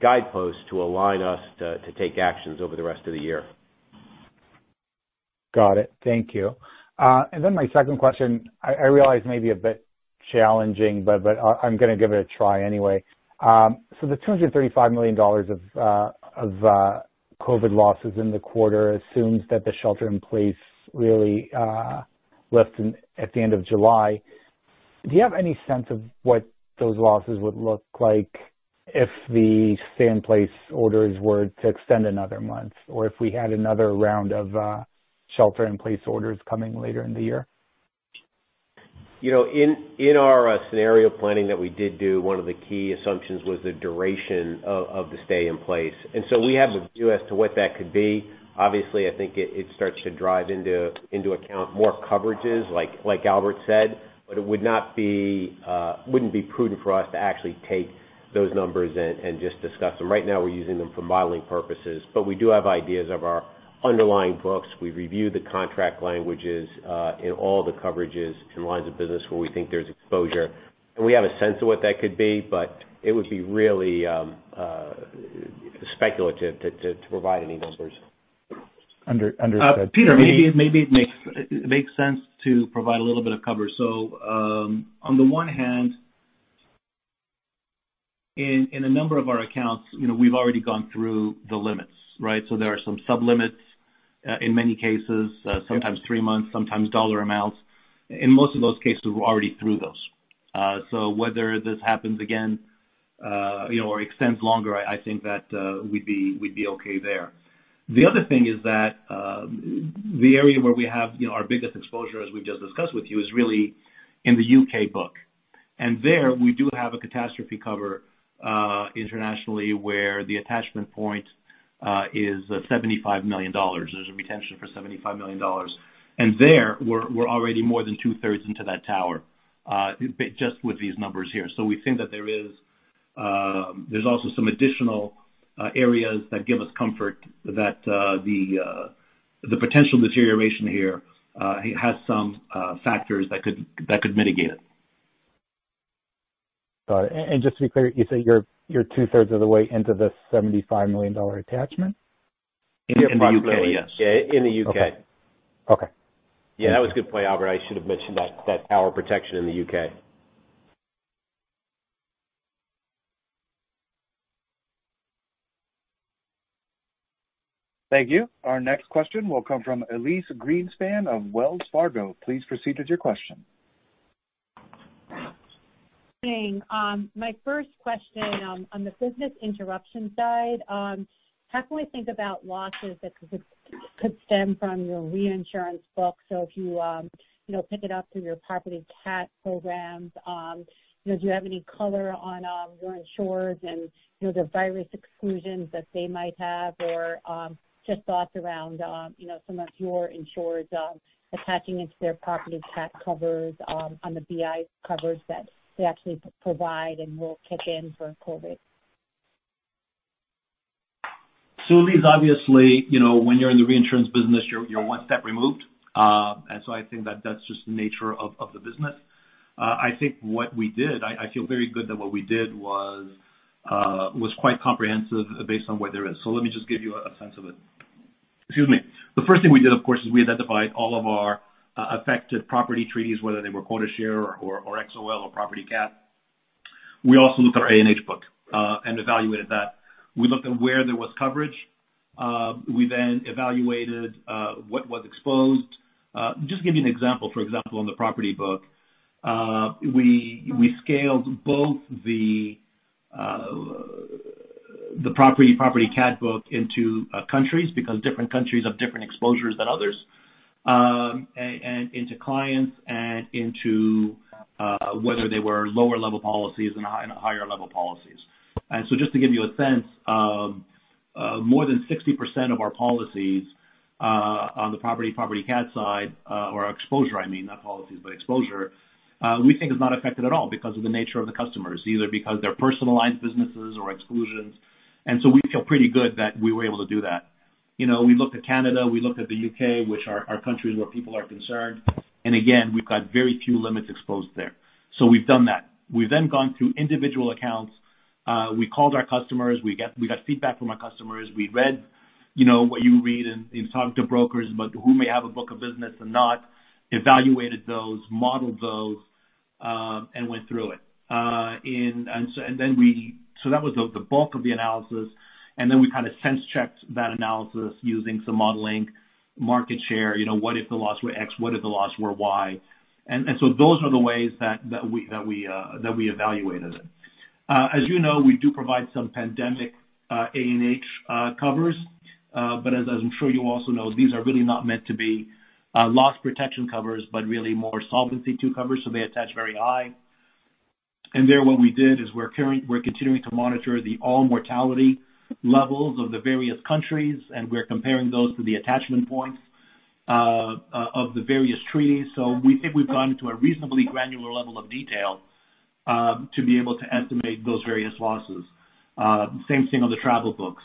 guideposts to align us to take actions over the rest of the year. Got it. Thank you. My second question, I realize maybe a bit challenging, but I'm going to give it a try anyway. The $235 million of COVID losses in the quarter assumes that the shelter in place really lifts at the end of July. Do you have any sense of what those losses would look like if the stay in place orders were to extend another month, or if we had another round of shelter in place orders coming later in the year? In our scenario planning that we did do, one of the key assumptions was the duration of the stay in place. We have a view as to what that could be. Obviously, I think it starts to drive into account more coverages like Albert said. It wouldn't be prudent for us to actually take those numbers and just discuss them. Right now, we're using them for modeling purposes. We do have ideas of our underlying books. We've reviewed the contract languages in all the coverages and lines of business where we think there's exposure, and we have a sense of what that could be, but it would be really speculative to provide any numbers. Understood. Pete, maybe it makes sense to provide a little bit of cover. On the one hand, in a number of our accounts we've already gone through the limits, right? There are some sub-limits in many cases, sometimes three months, sometimes dollar amounts. In most of those cases, we're already through those. Whether this happens again or extends longer, I think that we'd be okay there. The other thing is that the area where we have our biggest exposure, as we've just discussed with you, is really in the U.K. book. There we do have a catastrophe cover internationally where the attachment point is $75 million. There's a retention for $75 million. There we're already more than two-thirds into that tower just with these numbers here. We think that there's also some additional areas that give us comfort that the potential deterioration here has some factors that could mitigate it. Got it. Just to be clear, you say you're two-thirds of the way into this $75 million attachment? In the U.K., yes. Yeah, in the U.K. Okay. Yeah, that was a good point, Albert. I should have mentioned that tower protection in the U.K. Thank you. Our next question will come from Elyse Greenspan of Wells Fargo. Please proceed with your question. My first question on the business interruption stuff. Right. How can we think about losses that could stem from your reinsurance book? If you pick it up through your property cat programs, do you have any color on your insureds and the virus exclusions that they might have or just thoughts around some of your insureds attaching into their property cat covers on the BI coverage that they actually provide and will kick in for COVID-19? Elyse, obviously, when you're in the reinsurance business, you're one step removed. I think that's just the nature of the business. I think what we did, I feel very good that what we did was quite comprehensive based on where there is. Let me just give you a sense of it. Excuse me. The first thing we did, of course, is we identified all of our affected property treaties, whether they were quota share or XOL or property cat. We also looked at our A&H book, and evaluated that. We looked at where there was coverage. We then evaluated what was exposed. Just to give you an example, for example, on the property book, we scaled both the property cat book into countries, because different countries have different exposures than others, and into clients, and into whether they were lower-level policies and higher-level policies. Just to give you a sense, more than 60% of our policies on the property cat side, or exposure, I mean, not policies, but exposure, we think is not affected at all because of the nature of the customers, either because they're personal line businesses or exclusions. We feel pretty good that we were able to do that. We looked at Canada, we looked at the U.K., which are countries where people are concerned, and again, we've got very few limits exposed there. We've done that. We've then gone through individual accounts. We called our customers. We got feedback from our customers. We read what you read and talked to brokers about who may have a book of business and not, evaluated those, modeled those, and went through it. That was the bulk of the analysis, and then we kind of sense-checked that analysis using some modeling, market share, what if the loss were X? What if the loss were Y? Those are the ways that we evaluated it. As you know, we do provide some pandemic A&H covers. As I'm sure you also know, these are really not meant to be loss protection covers, but really more Solvency II covers, so they attach very high. There, what we did is we're continuing to monitor the all-mortality levels of the various countries, and we're comparing those to the attachment points of the various treaties. We think we've gone into a reasonably granular level of detail to be able to estimate those various losses. Same thing on the travel book.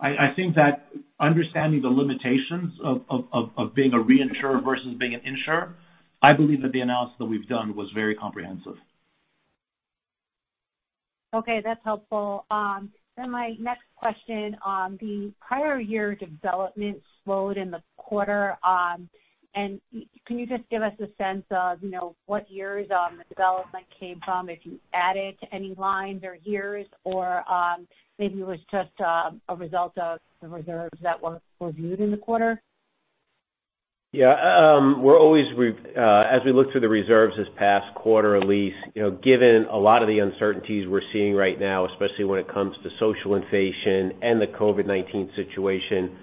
I think that understanding the limitations of being a reinsurer versus being an insurer, I believe that the analysis that we've done was very comprehensive. Okay. That's helpful. My next question, the prior year development slowed in the quarter. Can you just give us a sense of what years the development came from, if you added any lines or years or maybe it was just a result of the reserves that were reviewed in the quarter? Yeah. As we looked through the reserves this past quarter, Elyse, given a lot of the uncertainties we're seeing right now, especially when it comes to social inflation and the COVID-19 situation,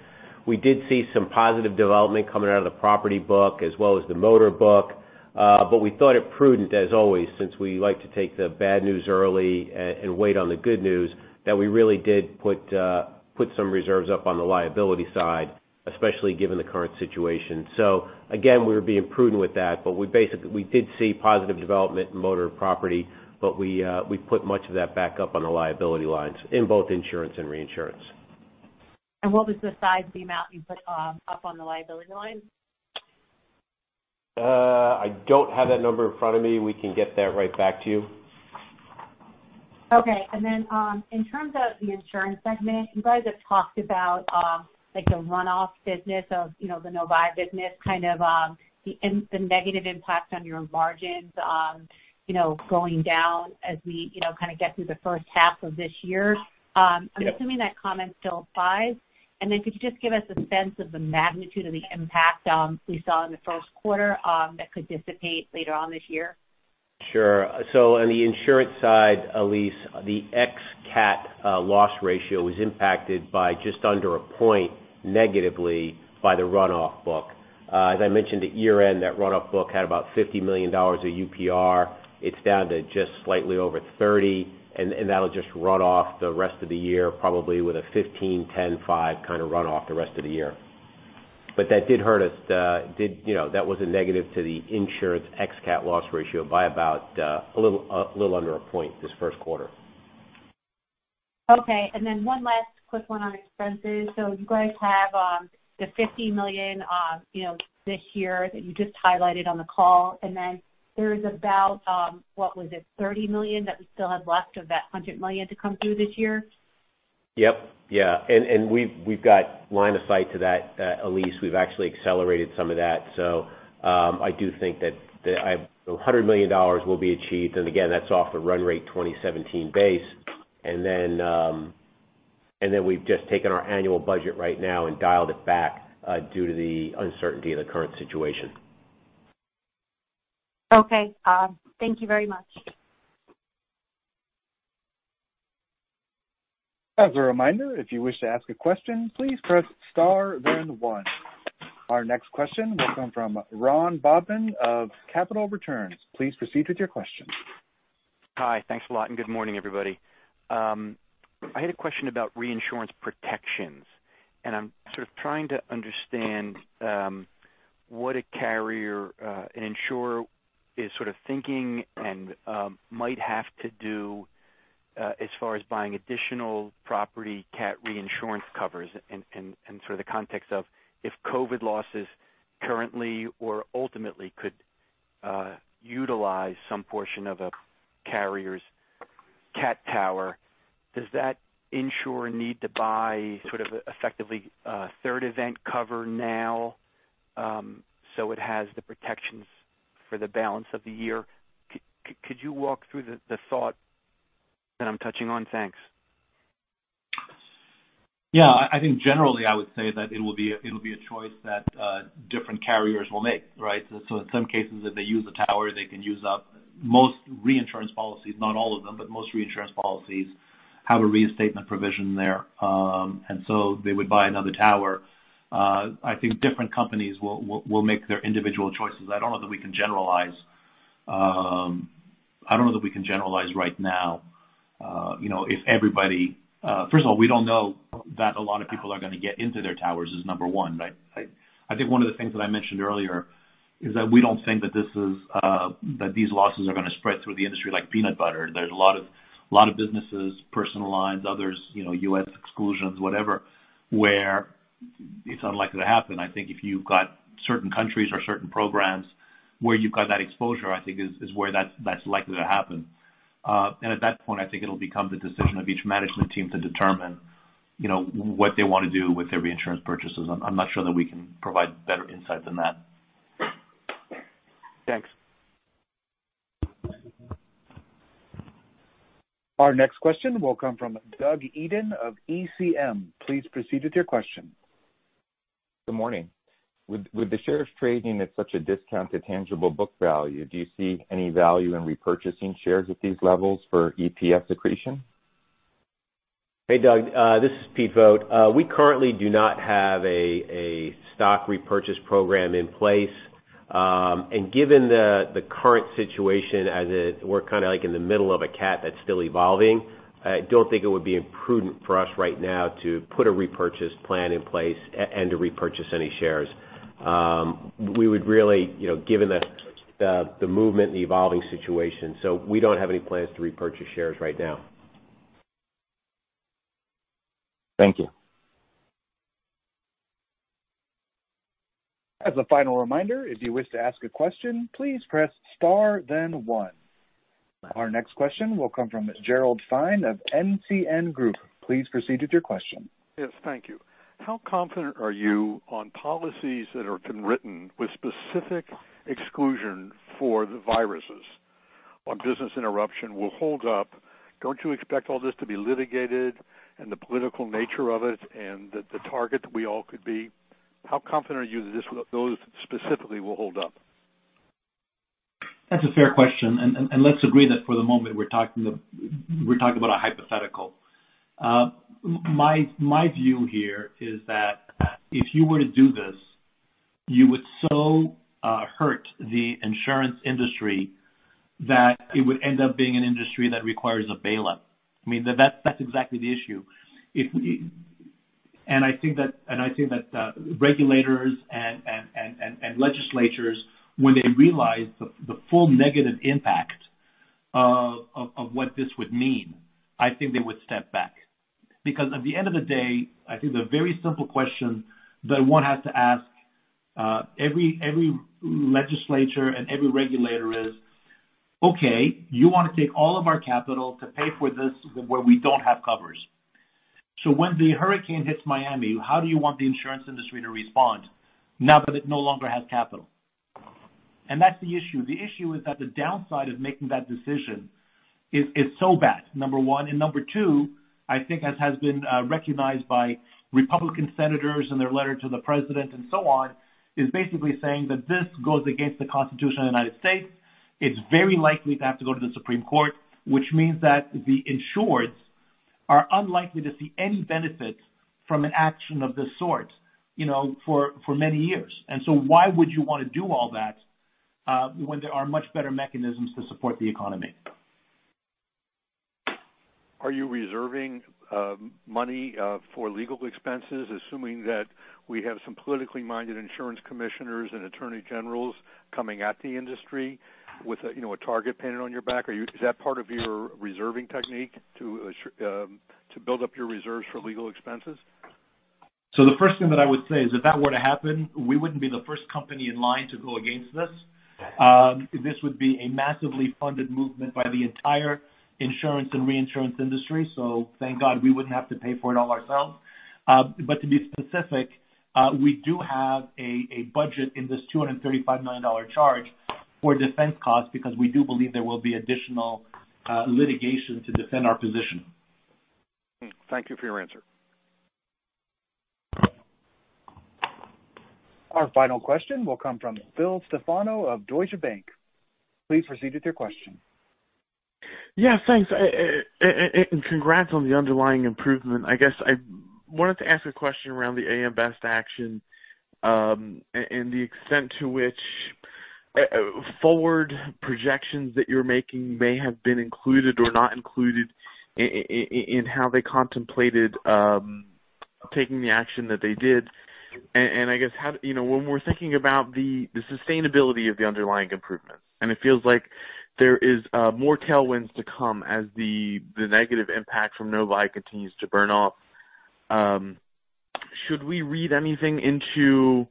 we did see some positive development coming out of the property book as well as the motor book. We thought it prudent, as always, since we like to take the bad news early and wait on the good news, that we really did put some reserves up on the liability side, especially given the current situation. Again, we're being prudent with that. We did see positive development in motor property, but we put much of that back up on the liability lines in both insurance and reinsurance. What was the size of the amount you put up on the liability line? I don't have that number in front of me. We can get that right back to you. Okay. Then in terms of the insurance segment, you guys have talked about, like, the runoff business of the Novae business, kind of the negative impact on your margins going down as we kind of get through the first half of this year. Yes. I'm assuming that comment still applies. Could you just give us a sense of the magnitude of the impact we saw in the first quarter that could dissipate later on this year? Sure. On the insurance side, Elyse, the ex-cat loss ratio was impacted by just under a point negatively by the runoff book. As I mentioned at year-end, that runoff book had about $50 million of UPR. It's down to just slightly over $30, and that'll just run off the rest of the year, probably with a $15, $10, $5 kind of runoff the rest of the year. That did hurt us. That was a negative to the insurance ex-cat loss ratio by about a little under a point this first quarter. Okay. One last quick one on expenses. You guys have the $50 million this year that you just highlighted on the call, there's about, what was it, $30 million that we still have left of that $100 million to come through this year? Yep. Yeah. We've got line of sight to that, Elyse. We've actually accelerated some of that. I do think that the $100 million will be achieved, and again, that's off the run rate 2017 base. We've just taken our annual budget right now and dialed it back due to the uncertainty of the current situation. Okay. Thank you very much. As a reminder, if you wish to ask a question, please press star then one. Our next question will come from Ron Bobman of Capital Returns. Please proceed with your question. Hi. Thanks a lot, good morning, everybody. I had a question about reinsurance protections, I'm sort of trying to understand what a carrier, an insurer is thinking and might have to do as far as buying additional property cat reinsurance covers and sort of the context of if COVID-19 losses currently or ultimately could utilize some portion of a carrier's cat tower. Does that insurer need to buy sort of effectively a third event cover now, it has the protections for the balance of the year? Could you walk through the thought that I'm touching on? Thanks. Yeah. I think generally I would say that it'll be a choice that different carriers will make, right? In some cases, if they use a tower, they can use up most reinsurance policies, not all of them, but most reinsurance policies have a reinstatement provision there. They would buy another tower. I think different companies will make their individual choices. I don't know that we can generalize right now. First of all, we don't know that a lot of people are going to get into their towers, is number one, right? I think one of the things that I mentioned earlier is that we don't think that these losses are going to spread through the industry like peanut butter. There's a lot of businesses, personal lines, others, U.S. exclusions, whatever, where it's unlikely to happen. I think if you've got certain countries or certain programs where you've got that exposure, I think is where that's likely to happen. At that point, I think it'll become the decision of each management team to determine what they want to do with their reinsurance purchases. I'm not sure that we can provide better insight than that. Thanks. Our next question will come from Doug Eden of ECM. Please proceed with your question. Good morning. With the shares trading at such a discount to tangible book value, do you see any value in repurchasing shares at these levels for EPS accretion? Hey, Doug. This is Pete Vogt. We currently do not have a stock repurchase program in place. Given the current situation as we're kind of like in the middle of a cat that's still evolving, I don't think it would be imprudent for us right now to put a repurchase plan in place and to repurchase any shares. We would really given the movement and the evolving situation, so we don't have any plans to repurchase shares right now. Thank you. As a final reminder, if you wish to ask a question, please press star then one. Our next question will come from Gerald Fine of NCN Group. Please proceed with your question. Yes. Thank you. How confident are you on policies that have been written with specific exclusion for the viruses on business interruption will hold up? Don't you expect all this to be litigated and the political nature of it and the target that we all could be? How confident are you that those specifically will hold up? That's a fair question. Let's agree that for the moment we're talking about a hypothetical. My view here is that if you were to do this, you would so hurt the insurance industry that it would end up being an industry that requires a bailout. That's exactly the issue. I think that regulators and legislatures, when they realize the full negative impact of what this would mean, I think they would step back. At the end of the day, I think the very simple question that one has to ask every legislature and every regulator is, okay, you want to take all of our capital to pay for this where we don't have coverage. When the hurricane hits Miami, how do you want the insurance industry to respond now that it no longer has capital? That's the issue. The issue is that the downside of making that decision is so bad, number one. Number two, I think as has been recognized by Republican senators and their letter to the president and so on, is basically saying that this goes against the Constitution of the United States. It's very likely to have to go to the Supreme Court, which means that the insureds are unlikely to see any benefit from an action of this sort for many years. Why would you want to do all that, when there are much better mechanisms to support the economy? Are you reserving money for legal expenses, assuming that we have some politically minded insurance commissioners and attorney generals coming at the industry with a target painted on your back? Is that part of your reserving technique to build up your reserves for legal expenses? The first thing that I would say is if that were to happen, we wouldn't be the first company in line to go against this. This would be a massively funded movement by the entire insurance and reinsurance industry. Thank God we wouldn't have to pay for it all ourselves. To be specific, we do have a budget in this $235 million charge for defense costs because we do believe there will be additional litigation to defend our position. Thank you for your answer. Our final question will come from Phil Stefano of Deutsche Bank. Please proceed with your question. Yeah, thanks. Congrats on the underlying improvement. I guess I wanted to ask a question around the AM Best action, and the extent to which forward projections that you're making may have been included or not included in how they contemplated taking the action that they did. I guess, when we're thinking about the sustainability of the underlying improvement, and it feels like there is more tailwinds to come as the negative impact from Novae continues to burn off, should we read anything into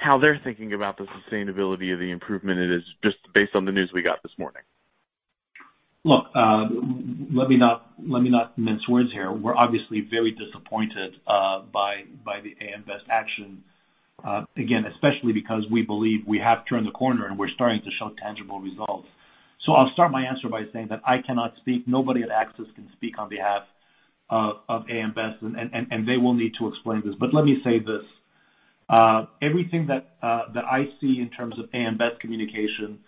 how they're thinking about the sustainability of the improvement it is just based on the news we got this morning? Look, let me not mince words here. We're obviously very disappointed by the AM Best action. Again, especially because we believe we have turned the corner and we're starting to show tangible results. I'll start my answer by saying that I cannot speak, nobody at AXIS can speak on behalf of AM Best, they will need to explain this. Let me say this. Everything that I see in terms of AM Best communication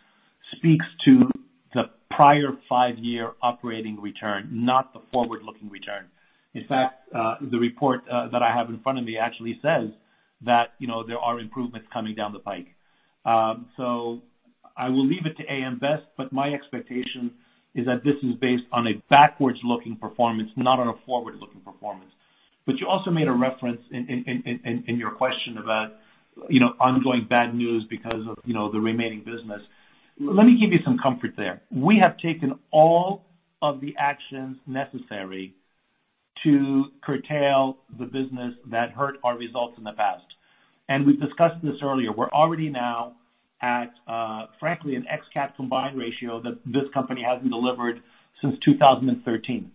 speaks to the prior five-year operating return, not the forward-looking return. In fact, the report that I have in front of me actually says that there are improvements coming down the pike. I will leave it to AM Best, my expectation is that this is based on a backwards-looking performance, not on a forward-looking performance. You also made a reference in your question about ongoing bad news because of the remaining business. Let me give you some comfort there. We have taken all of the actions necessary to curtail the business that hurt our results in the past. We've discussed this earlier. We're already now at, frankly, an ex-CAT combined ratio that this company hasn't delivered since 2013.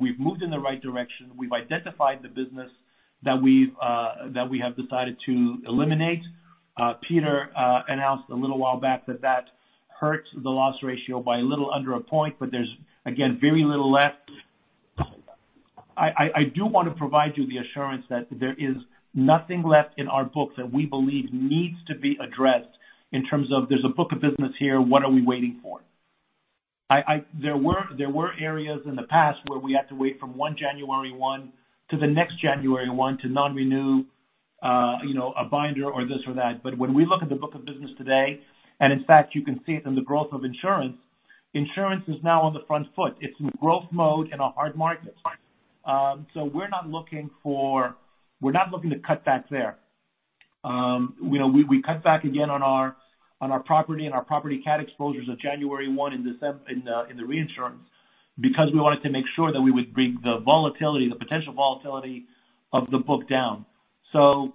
We've moved in the right direction. We've identified the business that we have decided to eliminate. Pete announced a little while back that that hurts the loss ratio by a little under a point, there's, again, very little left. I do want to provide you the assurance that there is nothing left in our books that we believe needs to be addressed in terms of there's a book of business here, what are we waiting for? There were areas in the past where we had to wait from one January 1 to the next January 1 to non-renew a binder or this or that. When we look at the book of business today, and in fact, you can see it in the growth of insurance is now on the front foot. It's in growth mode in a hard market. We're not looking to cut back there. We cut back again on our property and our property CAT exposures of January 1 in the reinsurance because we wanted to make sure that we would bring the potential volatility of the book down. To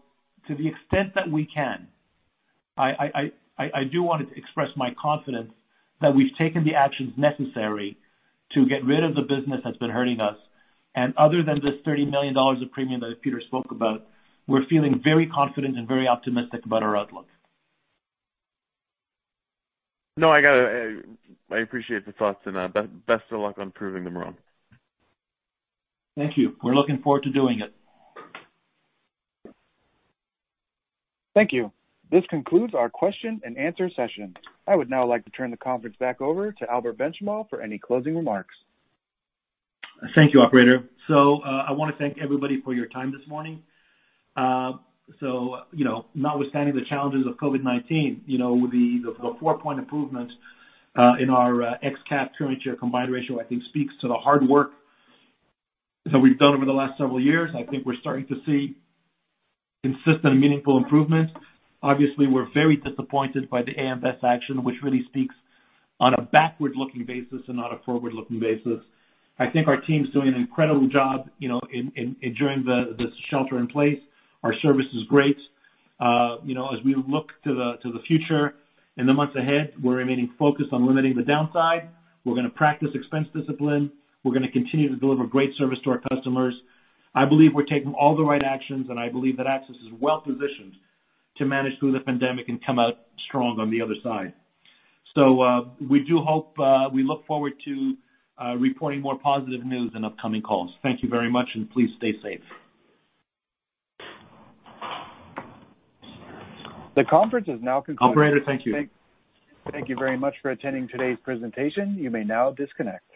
the extent that we can, I do want to express my confidence that we've taken the actions necessary to get rid of the business that's been hurting us. Other than this $30 million of premium that Pete spoke about, we're feeling very confident and very optimistic about our outlook. No, I appreciate the thoughts, best of luck on proving them wrong. Thank you. We're looking forward to doing it. Thank you. This concludes our question and answer session. I would now like to turn the conference back over to Albert Benchimol for any closing remarks. Thank you, operator. I want to thank everybody for your time this morning. Notwithstanding the challenges of COVID-19, the four-point improvements in our ex-CAT current year combined ratio, I think, speaks to the hard work that we've done over the last several years. I think we're starting to see consistent and meaningful improvements. Obviously, we're very disappointed by the AM Best action, which really speaks on a backward-looking basis and not a forward-looking basis. I think our team's doing an incredible job during this shelter in place. Our service is great. As we look to the future in the months ahead, we're remaining focused on limiting the downside. We're going to practice expense discipline. We're going to continue to deliver great service to our customers. I believe we're taking all the right actions, and I believe that AXIS is well-positioned to manage through the pandemic and come out strong on the other side. We look forward to reporting more positive news in upcoming calls. Thank you very much, and please stay safe. The conference is now concluded. Operator, thank you. Thank you very much for attending today's presentation. You may now disconnect.